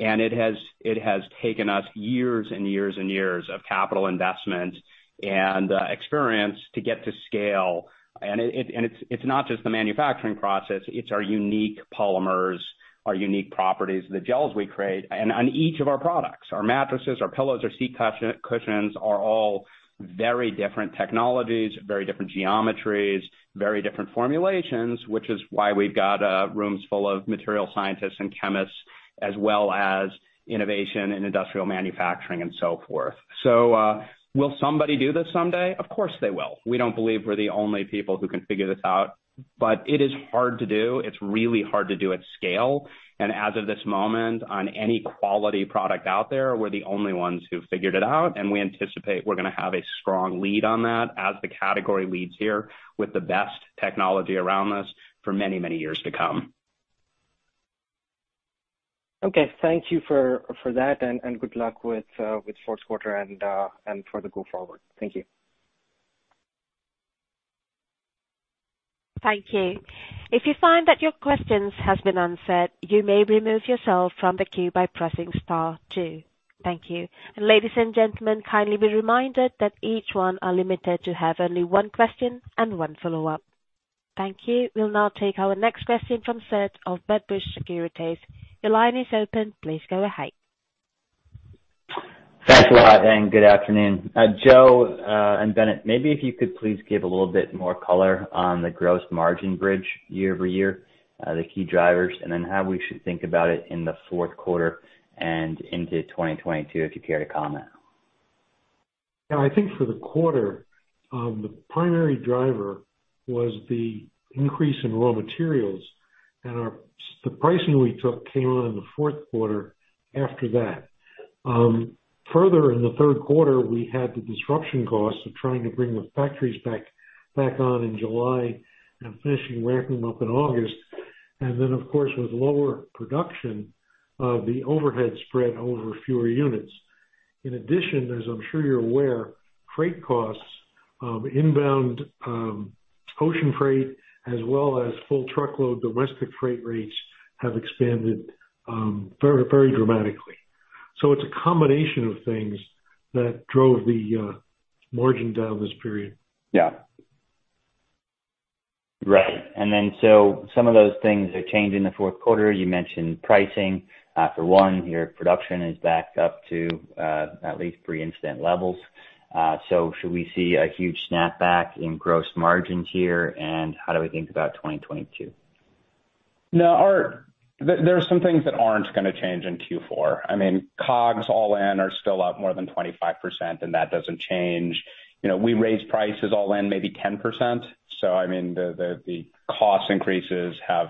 It has taken us years and years and years of capital investment and experience to get to scale. It's not just the manufacturing process, it's our unique polymers, our unique properties, the gels we create. On each of our products, our mattresses, our pillows, our seat cushions are all very different technologies, very different geometries, very different formulations, which is why we've got rooms full of material scientists and chemists as well as innovation in industrial manufacturing and so forth. Will somebody do this someday? Of course, they will. We don't believe we're the only people who can figure this out, but it is hard to do. It's really hard to do at scale. As of this moment, on any quality product out there, we're the only ones who figured it out, and we anticipate we're gonna have a strong lead on that as the category leads here with the best technology around us for many, many years to come. Okay. Thank you for that and good luck with fourth quarter and for the go forward. Thank you. Thank you. If you find that your question has been answered, you may remove yourself from the queue by pressing star two. Thank you. Ladies and gentlemen, kindly be reminded that each one is limited to have only one question and one follow-up. Thank you. We'll now take our next question from Seth of Wedbush Securities. Your line is open. Please go ahead. Thanks a lot, and good afternoon. Joe and Bennett, maybe if you could please give a little bit more color on the gross margin bridge year-over-year, the key drivers, and then how we should think about it in the fourth quarter and into 2022, if you care to comment. Yeah, I think for the quarter, the primary driver was the increase in raw materials and the pricing we took came on in the fourth quarter after that. Further in the third quarter, we had the disruption costs of trying to bring the factories back on in July and finishing ramping up in August. Then, of course, with lower production, the overhead spread over fewer units. In addition, as I'm sure you're aware, freight costs, inbound, ocean freight as well as full truckload domestic freight rates have expanded very, very dramatically. It's a combination of things that drove the margin down this period. Some of those things are changing in the fourth quarter. You mentioned pricing. For one, your production is back up to at least pre-incident levels. So should we see a huge snapback in gross margins here? How do we think about 2022? No. There are some things that aren't gonna change in Q4. I mean, COGS all in are still up more than 25%, and that doesn't change. You know, we raised prices all in maybe 10%. I mean, the cost increases have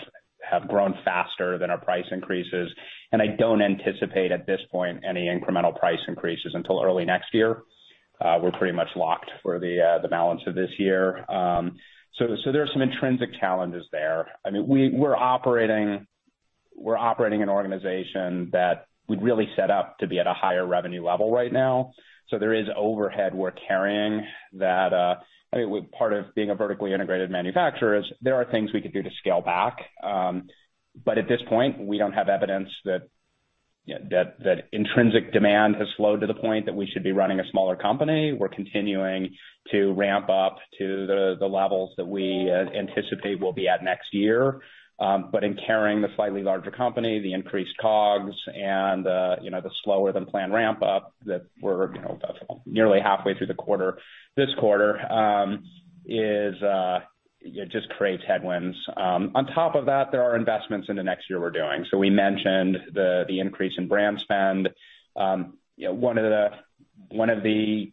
grown faster than our price increases. I don't anticipate at this point any incremental price increases until early next year. We're pretty much locked for the balance of this year. There are some intrinsic challenges there. I mean, we're operating an organization that we've really set up to be at a higher revenue level right now. There is overhead we're carrying that, I mean, part of being a vertically integrated manufacturer is there are things we could do to scale back. At this point, we don't have evidence that you know that intrinsic demand has slowed to the point that we should be running a smaller company. We're continuing to ramp up to the levels that we anticipate we'll be at next year. In carrying the slightly larger company, the increased COGS and you know the slower than planned ramp up that we're you know nearly halfway through the quarter, this quarter is it just creates headwinds. On top of that, there are investments in the next year we're doing. We mentioned the increase in brand spend. You know, one of the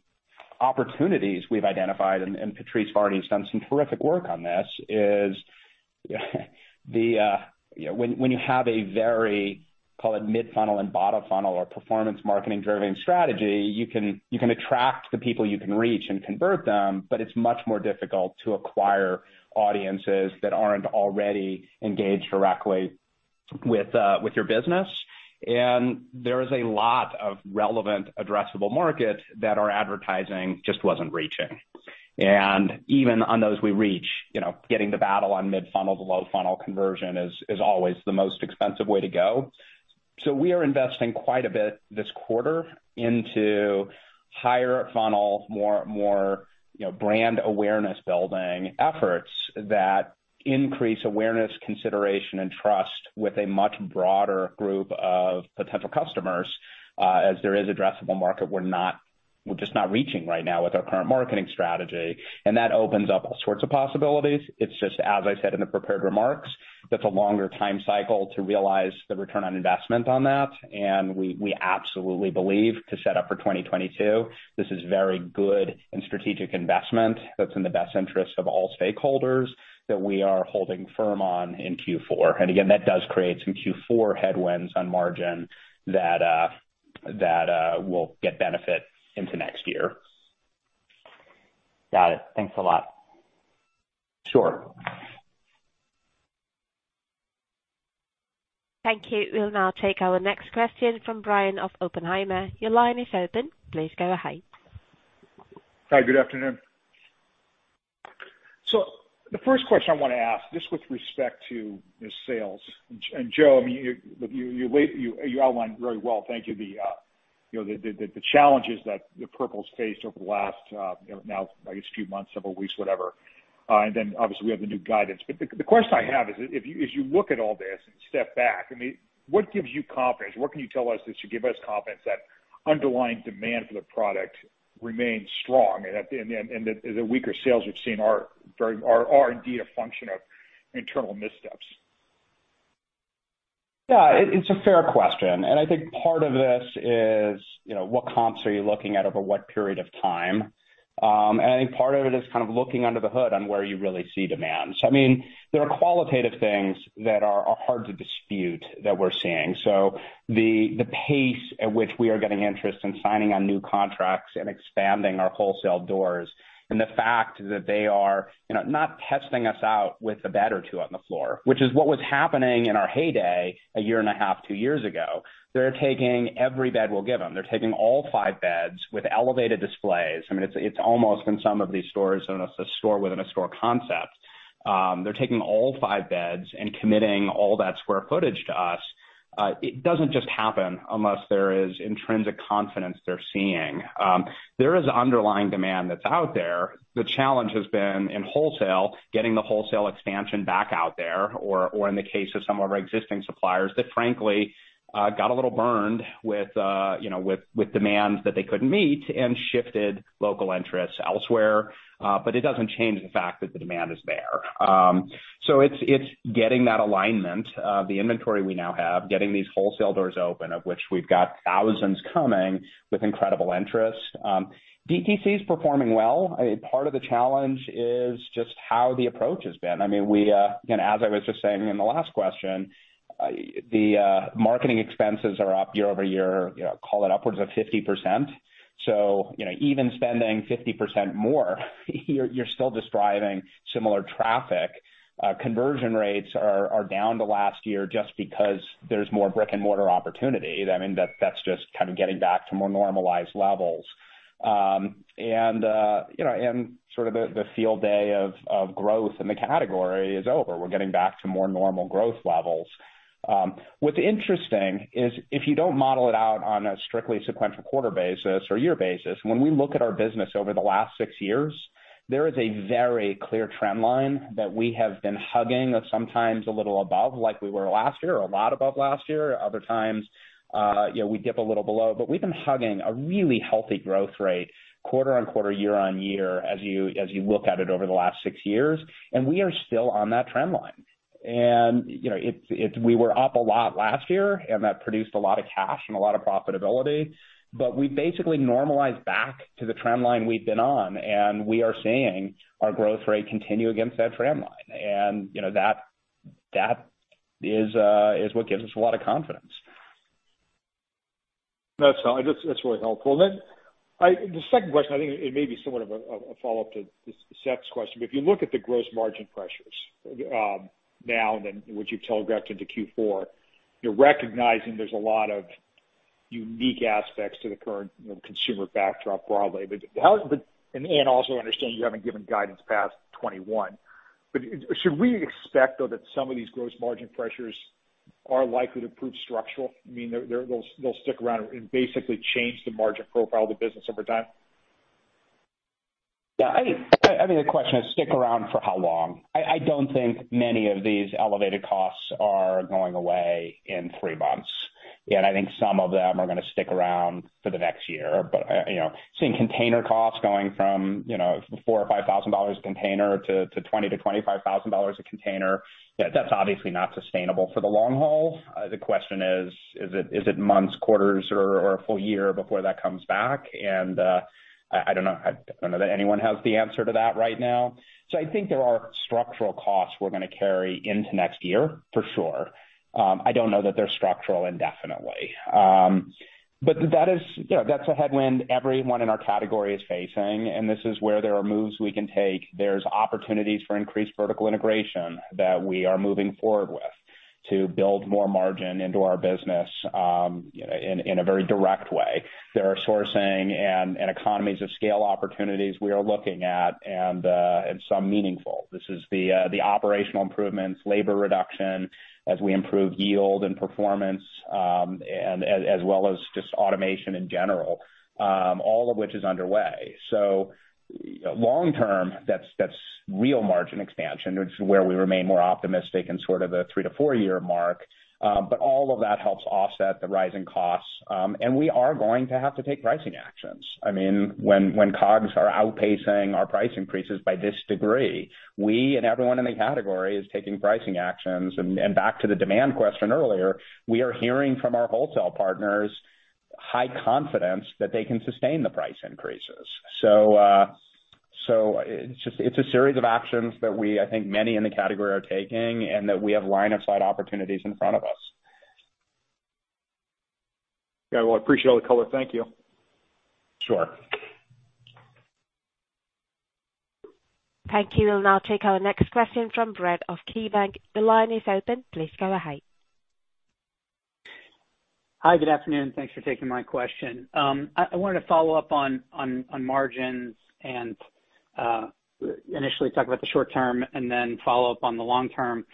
opportunities we've identified, and Patrice Varni's done some terrific work on this, is the, you know, when you have a very, call it mid-funnel and bottom-funnel or performance marketing driven strategy, you can attract the people you can reach and convert them, but it's much more difficult to acquire audiences that aren't already engaged directly with your business. There is a lot of relevant addressable market that our advertising just wasn't reaching. Even on those we reach, you know, getting the balance on mid-funnel to low-funnel conversion is always the most expensive way to go. We are investing quite a bit this quarter into higher funnel, more, you know, brand awareness building efforts that increase awareness, consideration, and trust with a much broader group of potential customers, as there is addressable market we're just not reaching right now with our current marketing strategy. That opens up all sorts of possibilities. It's just, as I said in the prepared remarks, that's a longer time cycle to realize the return on investment on that. We absolutely believe to set up for 2022, this is very good and strategic investment that's in the best interest of all stakeholders that we are holding firm on in Q4. Again, that does create some Q4 headwinds on margin that will benefit into next year. Got it. Thanks a lot. Sure. Thank you. We'll now take our next question from Brian of Oppenheimer. Your line is open. Please go ahead. Hi, good afternoon. The first question I wanna ask, just with respect to the sales, and Joe, I mean, you. You outlined very well, thank you know, the challenges that Purple's faced over the last now I guess few months, several weeks, whatever, and then obviously we have the new guidance. The question I have is if you look at all this and step back, I mean, what gives you confidence? What can you tell us that should give us confidence that underlying demand for the product remains strong and at the end, and the weaker sales we've seen are indeed a function of internal missteps? Yeah. It's a fair question, and I think part of this is, you know, what comps are you looking at over what period of time? I think part of it is kind of looking under the hood on where you really see demand. I mean, there are qualitative things that are hard to dispute that we're seeing. The pace at which we are getting interest in signing on new contracts and expanding our wholesale doors and the fact that they are, you know, not testing us out with a bed or two on the floor, which is what was happening in our heyday a year and a half, two years ago. They're taking every bed we'll give them. They're taking all five beds with elevated displays. I mean, it's almost in some of these stores, in a store within a store concept. They're taking all five beds and committing all that square footage to us. It doesn't just happen unless there is intrinsic confidence they're seeing. There is underlying demand that's out there. The challenge has been in wholesale, getting the wholesale expansion back out there or in the case of some of our existing suppliers that frankly got a little burned with, you know, with demands that they couldn't meet and shifted local interests elsewhere. It doesn't change the fact that the demand is there. It's getting that alignment of the inventory we now have, getting these wholesale doors open of which we've got thousands coming with incredible interest. DTC is performing well. Part of the challenge is just how the approach has been. I mean, as I was just saying in the last question, the marketing expenses are up year-over-year, you know, call it upwards of 50%. You know, even spending 50% more, you're still just driving similar traffic. Conversion rates are down from last year just because there's more brick-and-mortar opportunity. I mean, that's just kind of getting back to more normalized levels. You know, sort of the field day of growth in the category is over. We're getting back to more normal growth levels. What's interesting is if you don't model it out on a strictly sequential quarter basis or year basis, when we look at our business over the last six years, there is a very clear trend line that we have been hugging or sometimes a little above like we were last year or a lot above last year. Other times, you know, we dip a little below, but we've been hugging a really healthy growth rate quarter on quarter, year on year as you, as you look at it over the last six years. We are still on that trend line. You know, we were up a lot last year, and that produced a lot of cash and a lot of profitability. We basically normalized back to the trend line we've been on, and we are seeing our growth rate continue against that trend line. You know, that is what gives us a lot of confidence. That's really helpful. The second question, I think it may be somewhat of a follow-up to Seth's question. If you look at the gross margin pressures, now and then what you've telegraphed into Q4, you're recognizing there's a lot of unique aspects to the current consumer backdrop broadly. Also understand you haven't given guidance past 2021. Should we expect, though, that some of these gross margin pressures are likely to prove structural? I mean, they're, they'll stick around and basically change the margin profile of the business over time. Yeah. I mean, the question is stick around for how long? I don't think many of these elevated costs are going away in three months, and I think some of them are gonna stick around for the next year. You know, seeing container costs going from $4,000-$5,000 a container to $20,000-$25,000 a container, yeah, that's obviously not sustainable for the long haul. The question is it months, quarters or a full year before that comes back? I don't know. I don't know that anyone has the answer to that right now. I think there are structural costs we're gonna carry into next year for sure. I don't know that they're structural indefinitely. That is, you know, that's a headwind everyone in our category is facing, and this is where there are moves we can take. There's opportunities for increased vertical integration that we are moving forward with to build more margin into our business, in a very direct way. There are sourcing and economies of scale opportunities we are looking at and some meaningful. This is the operational improvements, labor reduction as we improve yield and performance, and as well as just automation in general, all of which is underway. Long term, that's real margin expansion, which is where we remain more optimistic in sort of a three to four-year mark. All of that helps offset the rising costs. We are going to have to take pricing actions. I mean, when COGS are outpacing our price increases by this degree, we and everyone in the category is taking pricing actions. Back to the demand question earlier, we are hearing from our wholesale partners high confidence that they can sustain the price increases. It's just a series of actions that we I think many in the category are taking and that we have line of sight opportunities in front of us. Yeah. Well, I appreciate all the color. Thank you. Sure. Thank you. We'll now take our next question from Brett of KeyBanc. The line is open. Please go ahead. Hi, good afternoon. Thanks for taking my question. I wanted to follow up on margins and initially talk about the short term and then follow up on the long term.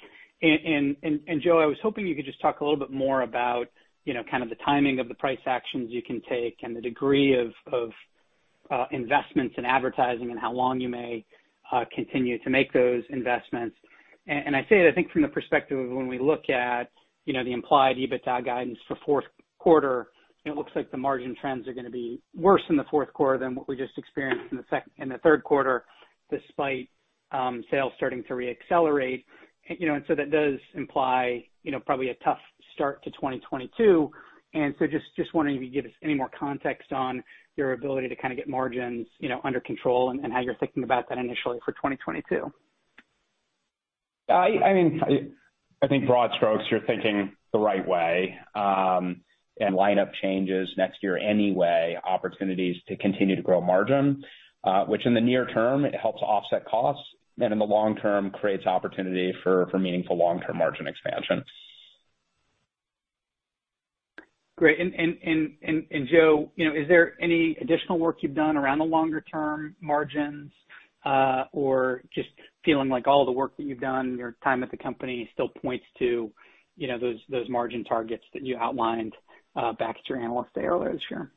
Joe, I was hoping you could just talk a little bit more about, you know, kind of the timing of the price actions you can take and the degree of investments in advertising and how long you may continue to make those investments. I say it, I think from the perspective of when we look at, you know, the implied EBITDA guidance for fourth quarter, it looks like the margin trends are gonna be worse in the fourth quarter than what we just experienced in the third quarter, despite sales starting to re-accelerate. You know, that does imply, you know, probably a tough start to 2022. Just wondering if you give us any more context on your ability to kind of get margins, you know, under control and how you're thinking about that initially for 2022. I mean, I think broad strokes, you're thinking the right way, and lineup changes next year anyway, opportunities to continue to grow margin, which in the near term it helps offset costs and in the long term creates opportunity for meaningful long-term margin expansion. Great. Joe, you know, is there any additional work you've done around the longer term margins, or just feeling like all the work that you've done, your time at the company still points to, you know, those margin targets that you outlined, back at your Analyst Day earlier this year?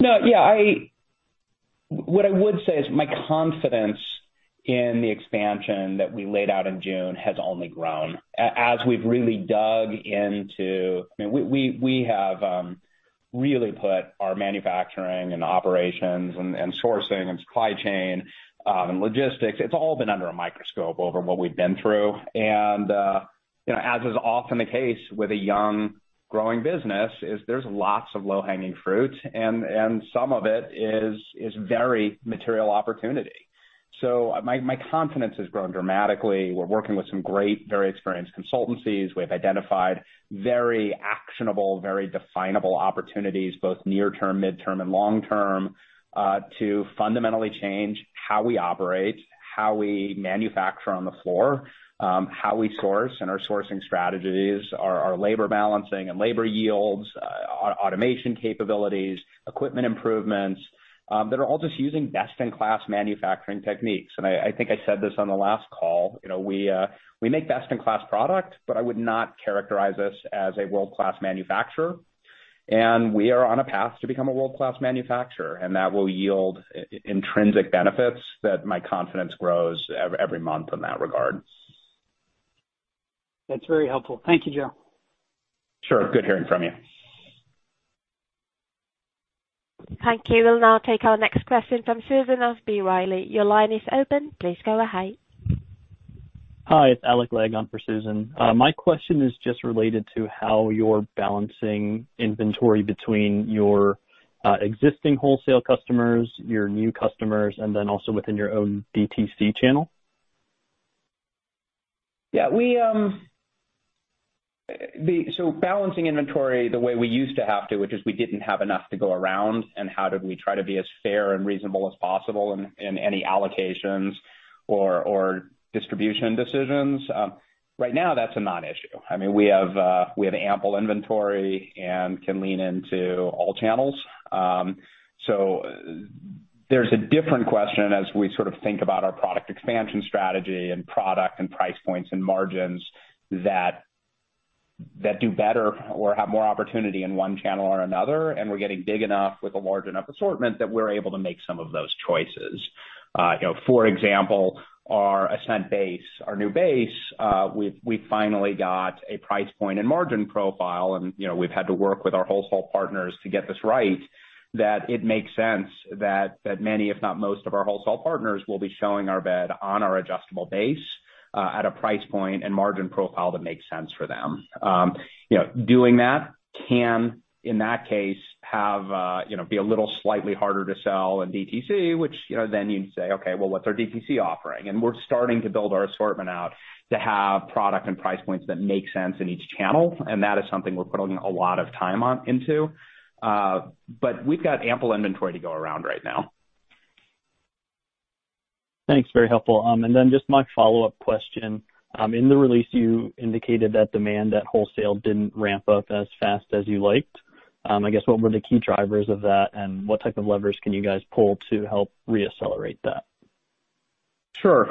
No, yeah, what I would say is my confidence in the expansion that we laid out in June has only grown. As we've really dug into, I mean, we have really put our manufacturing and operations and sourcing and supply chain and logistics, it's all been under a microscope over what we've been through. You know, as is often the case with a young, growing business, there's lots of low-hanging fruit and some of it is very material opportunity. My confidence has grown dramatically. We're working with some great, very experienced consultancies. We've identified very actionable, very definable opportunities, both near term, midterm, and long term, to fundamentally change how we operate, how we manufacture on the floor, how we source and our sourcing strategies, our labor balancing and labor yields, our automation capabilities, equipment improvements, that are all just using best-in-class manufacturing techniques. I think I said this on the last call, you know, we make best-in-class product, but I would not characterize us as a world-class manufacturer. We are on a path to become a world-class manufacturer, and that will yield intrinsic benefits that my confidence grows every month in that regard. That's very helpful. Thank you, Joe. Sure. Good hearing from you. Thank you. We'll now take our next question from Susan of B. Riley. Your line is open. Please go ahead. Hi, it's Alec Legg on for Susan. My question is just related to how you're balancing inventory between your existing wholesale customers, your new customers, and then also within your own DTC channel. Balancing inventory the way we used to have to, which is we didn't have enough to go around and how did we try to be as fair and reasonable as possible in any allocations or distribution decisions, right now that's a non-issue. I mean, we have ample inventory and can lean into all channels. There's a different question as we sort of think about our product expansion strategy and product and price points and margins that do better or have more opportunity in one channel or another, and we're getting big enough with a large enough assortment that we're able to make some of those choices. You know, for example, our Ascent Base, our new base, we've finally got a price point and margin profile, and, you know, we've had to work with our wholesale partners to get this right, that it makes sense that many, if not most, of our wholesale partners will be showing our bed on our adjustable base, at a price point and margin profile that makes sense for them. You know, doing that can be a little slightly harder to sell in DTC, which, you know, then you'd say, "Okay, well, what's our DTC offering?" We're starting to build our assortment out to have product and price points that make sense in each channel, and that is something we're putting a lot of time into. We've got ample inventory to go around right now. Thanks. Very helpful. Just my follow-up question. In the release, you indicated that demand at wholesale didn't ramp up as fast as you liked. I guess, what were the key drivers of that, and what type of levers can you guys pull to help re-accelerate that? Sure.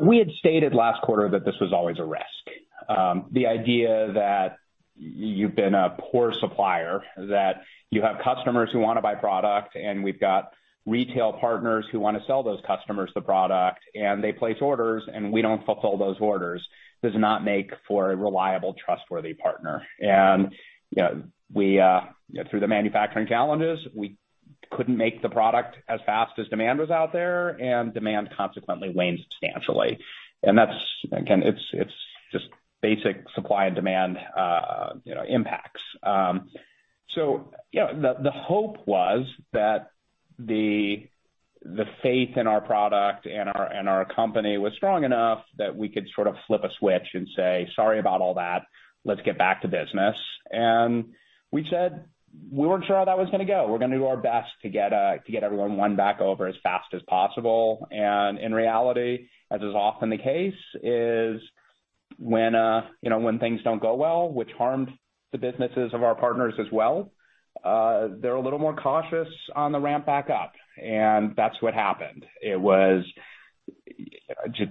We had stated last quarter that this was always a risk. The idea that you've been a poor supplier, that you have customers who wanna buy product, and we've got retail partners who wanna sell those customers the product, and they place orders and we don't fulfill those orders, does not make for a reliable, trustworthy partner. You know, through the manufacturing calendars, we couldn't make the product as fast as demand was out there, and demand consequently waned substantially. That's, again, it's just basic supply and demand, you know, impacts. You know, the hope was that the faith in our product and our company was strong enough that we could sort of flip a switch and say, "Sorry about all that. Let's get back to business." We said we weren't sure how that was gonna go. We're gonna do our best to get everyone won back over as fast as possible. In reality, as is often the case, you know, when things don't go well, which harmed the businesses of our partners as well, they're a little more cautious on the ramp back up, and that's what happened. It was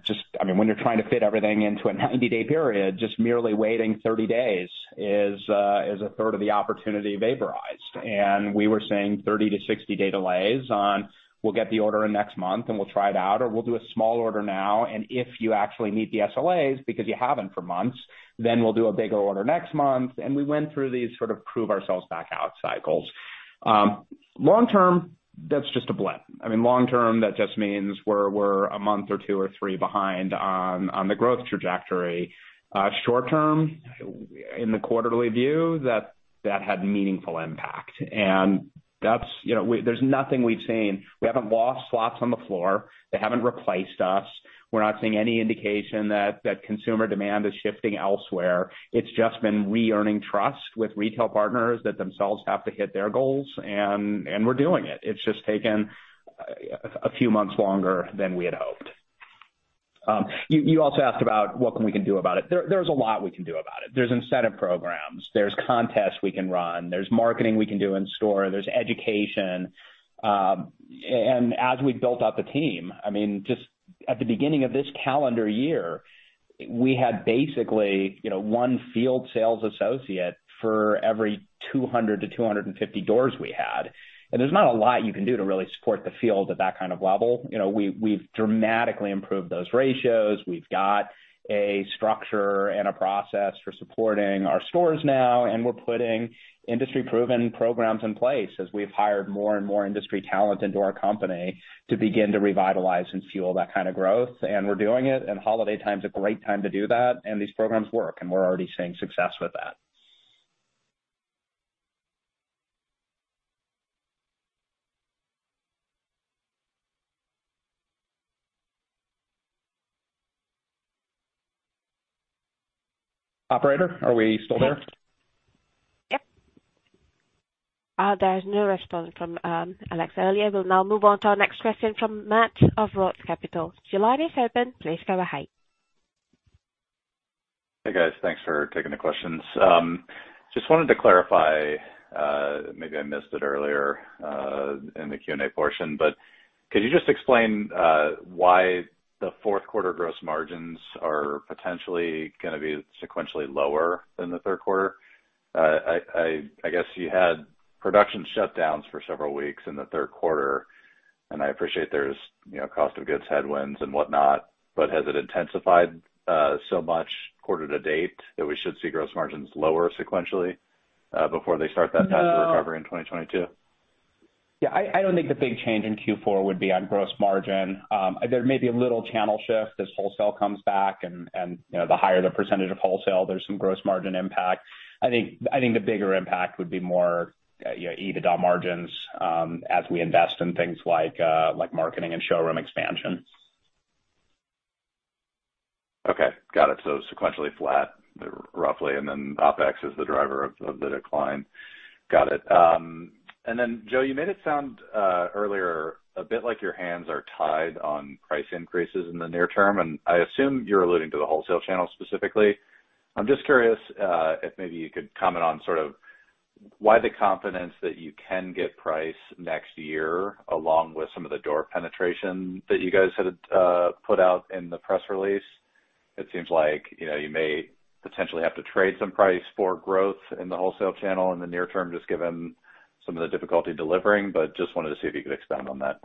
just. I mean, when you're trying to fit everything into a 90 day period, just merely waiting 30 days is a third of the opportunity vaporized. We were seeing 30-60 day delays on we'll get the order in next month and we'll try it out, or we'll do a small order now, and if you actually meet the SLAs, because you haven't for months, then we'll do a bigger order next month. We went through these sort of prove ourselves back out cycles. Long term, that's just a blip. I mean, long term, that just means we're a month or two or three behind on the growth trajectory. Short term, in the quarterly view, that had meaningful impact. That's, you know, there's nothing we've seen. We haven't lost slots on the floor. They haven't replaced us. We're not seeing any indication that consumer demand is shifting elsewhere. It's just been re-earning trust with retail partners that themselves have to hit their goals, and we're doing it. It's just taken a few months longer than we had hoped. You also asked about what we can do about it. There's a lot we can do about it. There's incentive programs, there's contests we can run, there's marketing we can do in store, there's education. As we built out the team, I mean, just at the beginning of this calendar year, we had basically, you know, one field sales associate for every 200-250 doors we had. There's not a lot you can do to really support the field at that kind of level. You know, we've dramatically improved those ratios. We've got a structure and a process for supporting our stores now, and we're putting industry-proven programs in place as we've hired more and more industry talent into our company to begin to revitalize and fuel that kind of growth. We're doing it, and holiday time's a great time to do that, and these programs work, and we're already seeing success with that. Operator, are we still there? Yep. There's no response from Alec earlier. We'll now move on to our next question from Matt of Roth Capital. Your line is open. Please go ahead. Hey, guys. Thanks for taking the questions. Just wanted to clarify, maybe I missed it earlier, in the Q&A portion. Could you just explain why the fourth quarter gross margins are potentially gonna be sequentially lower than the third quarter? I guess you had production shutdowns for several weeks in the third quarter, and I appreciate there's, you know, cost of goods headwinds and whatnot, but has it intensified so much quarter to date that we should see gross margins lower sequentially before they start that path to recovery in 2022? Yeah, I don't think the big change in Q4 would be on gross margin. There may be a little channel shift as wholesale comes back and, you know, the higher the percentage of wholesale, there's some gross margin impact. I think the bigger impact would be more, you know, EBITDA margins, as we invest in things like marketing and showroom expansion. Okay. Got it. Sequentially flat, roughly, and then OpEx is the driver of the decline. Got it. And then, Joe, you made it sound earlier a bit like your hands are tied on price increases in the near term, and I assume you're alluding to the wholesale channel specifically. I'm just curious if maybe you could comment on sort of why the confidence that you can get price next year, along with some of the door penetration that you guys had put out in the press release. It seems like, you know, you may potentially have to trade some price for growth in the wholesale channel in the near term, just given some of the difficulty delivering. Just wanted to see if you could expand on that.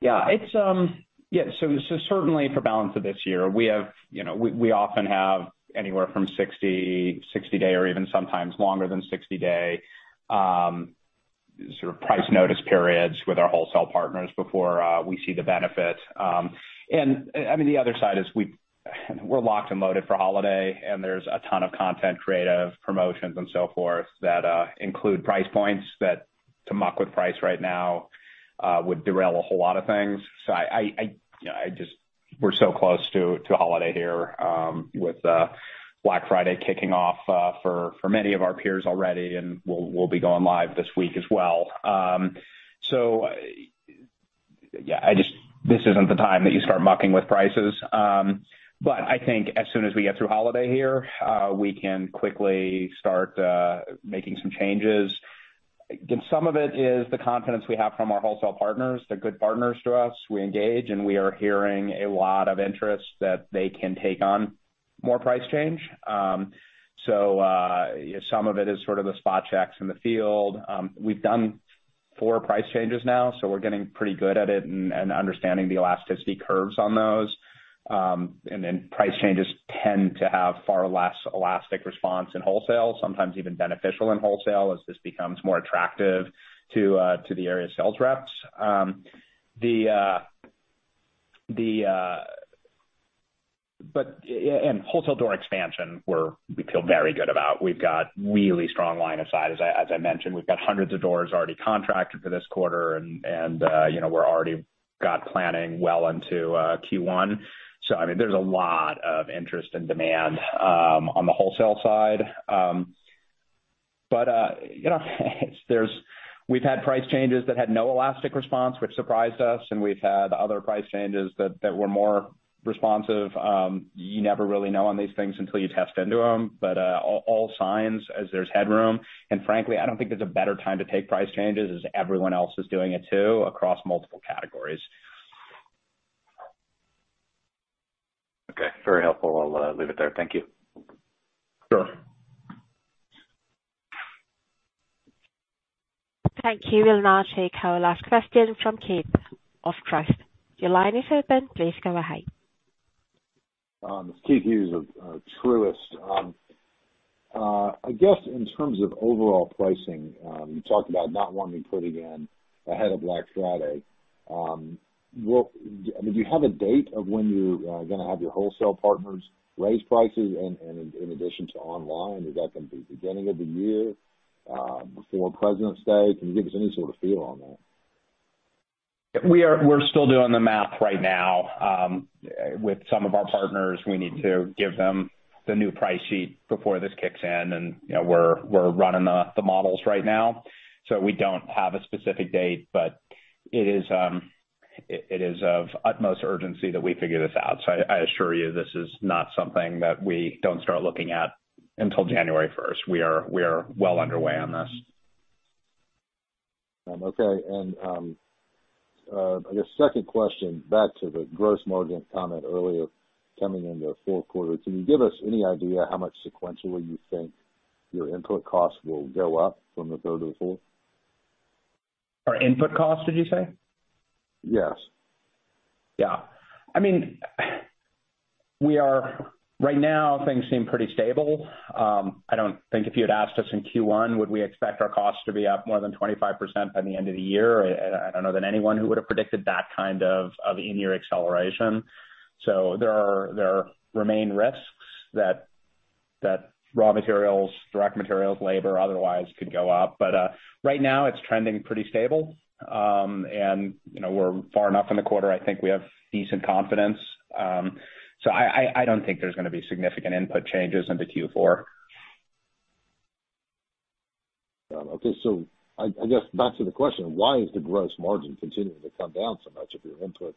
Yeah, it's. Yeah, so certainly for balance of this year, we have, you know, we often have anywhere from 60-day or even sometimes longer than 60-day sort of price notice periods with our wholesale partners before we see the benefit. I mean, the other side is we're locked and loaded for holiday, and there's a ton of content, creative promotions and so forth that include price points that to muck with price right now would derail a whole lot of things. I, you know, I just. We're so close to holiday here with Black Friday kicking off for many of our peers already, and we'll be going live this week as well. Yeah, I just. This isn't the time that you start mucking with prices. I think as soon as we get through holiday here, we can quickly start making some changes. Some of it is the confidence we have from our wholesale partners. They're good partners to us. We engage, and we are hearing a lot of interest that they can take on more price change. Some of it is sort of the spot checks in the field. We've done four price changes now, so we're getting pretty good at it and understanding the elasticity curves on those. Price changes tend to have far less elastic response in wholesale, sometimes even beneficial in wholesale, as this becomes more attractive to the area sales reps. Wholesale door expansion we feel very good about. We've got really strong line of sight, as I mentioned. We've got hundreds of doors already contracted for this quarter and we're already got planning well into Q1. I mean, there's a lot of interest and demand on the wholesale side. We've had price changes that had no elastic response, which surprised us, and we've had other price changes that were more responsive. You never really know on these things until you test into them. All signs are there's headroom. Frankly, I don't think there's a better time to take price changes, as everyone else is doing it too across multiple categories. Okay. Very helpful. I'll leave it there. Thank you. Sure. Thank you. We'll now take our last question from Keith of Truist. Your line is open. Please go ahead. It's Keith Hughes of Truist. I guess in terms of overall pricing, you talked about not wanting to put again ahead of Black Friday. I mean, do you have a date of when you're gonna have your wholesale partners raise prices in addition to online? Is that gonna be the beginning of the year, before President's Day? Can you give us any sort of feel on that? We're still doing the math right now. With some of our partners, we need to give them the new price sheet before this kicks in. You know, we're running the models right now. We don't have a specific date, but it is of utmost urgency that we figure this out. I assure you, this is not something that we don't start looking at until January first. We are well underway on this. Second question back to the gross margin comment earlier coming into the fourth quarter. Can you give us any idea how much sequentially you think your input costs will go up from the third to the fourth? Our input costs, did you say? Yes. I mean, right now, things seem pretty stable. I don't think if you had asked us in Q1, would we expect our costs to be up more than 25% by the end of the year? I don't know that anyone who would have predicted that kind of in-year acceleration. There remain risks that raw materials, direct materials, labor, otherwise could go up. Right now it's trending pretty stable. You know, we're far enough in the quarter, I think we have decent confidence. I don't think there's gonna be significant input changes into Q4. Okay. I guess back to the question, why is the gross margin continuing to come down so much if your inputs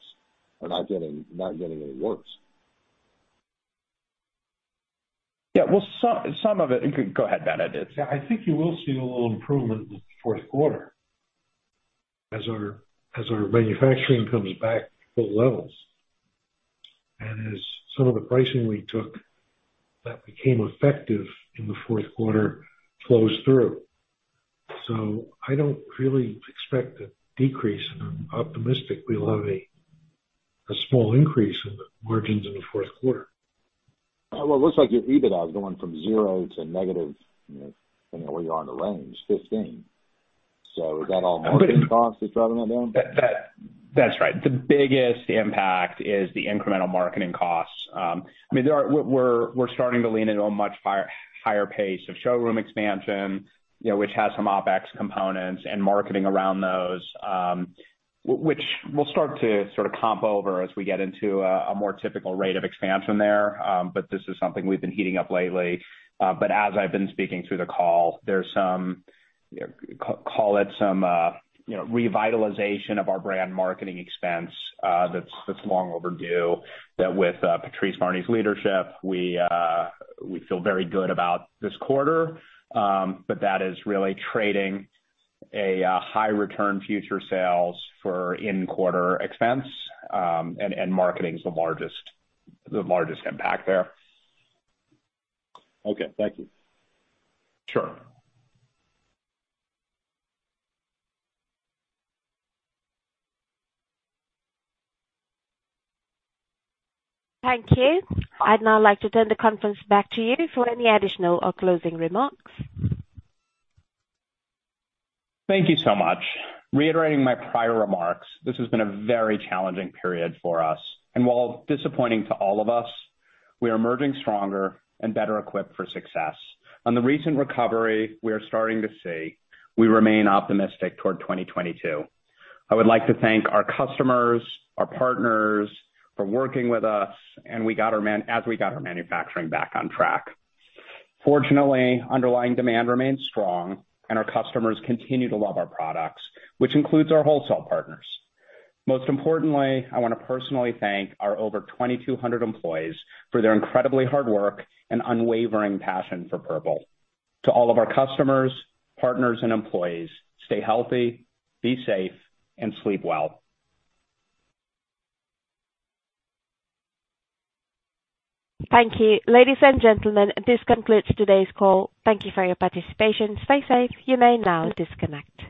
are not getting any worse? Yeah. Well, some of it. Go ahead, Bennett. Yeah. I think you will see a little improvement in the fourth quarter as our manufacturing comes back to full levels, and as some of the pricing we took that became effective in the fourth quarter flows through. I don't really expect a decrease, and I'm optimistic we'll have a small increase in the margins in the fourth quarter. Well, it looks like your EBITDA is going from 0 to negative 15, you know, depending on where you are on the range. Is that all marketing costs that's driving that down? That's right. The biggest impact is the incremental marketing costs. I mean, we're starting to lean into a much higher pace of showroom expansion, you know, which has some OpEx components and marketing around those, which we'll start to sort of comp over as we get into a more typical rate of expansion there. This is something we've been heating up lately. As I've been speaking through the call, there's some, call it some, you know, revitalization of our brand marketing expense, that's long overdue. That with Patrice Varni's leadership, we feel very good about this quarter. That is really trading a high return future sales for in-quarter expense. Marketing is the largest impact there. Okay. Thank you. Sure. Thank you. I'd now like to turn the conference back to you for any additional or closing remarks. Thank you so much. Reiterating my prior remarks, this has been a very challenging period for us, and while disappointing to all of us, we are emerging stronger and better equipped for success. On the recent recovery we are starting to see, we remain optimistic toward 2022. I would like to thank our customers, our partners for working with us, and as we got our manufacturing back on track. Fortunately, underlying demand remains strong and our customers continue to love our products, which includes our wholesale partners. Most importantly, I wanna personally thank our over 2,200 employees for their incredibly hard work and unwavering passion for Purple. To all of our customers, partners, and employees, stay healthy, be safe, and sleep well. Thank you. Ladies and gentlemen, this concludes today's call. Thank you for your participation. Stay safe. You may now disconnect.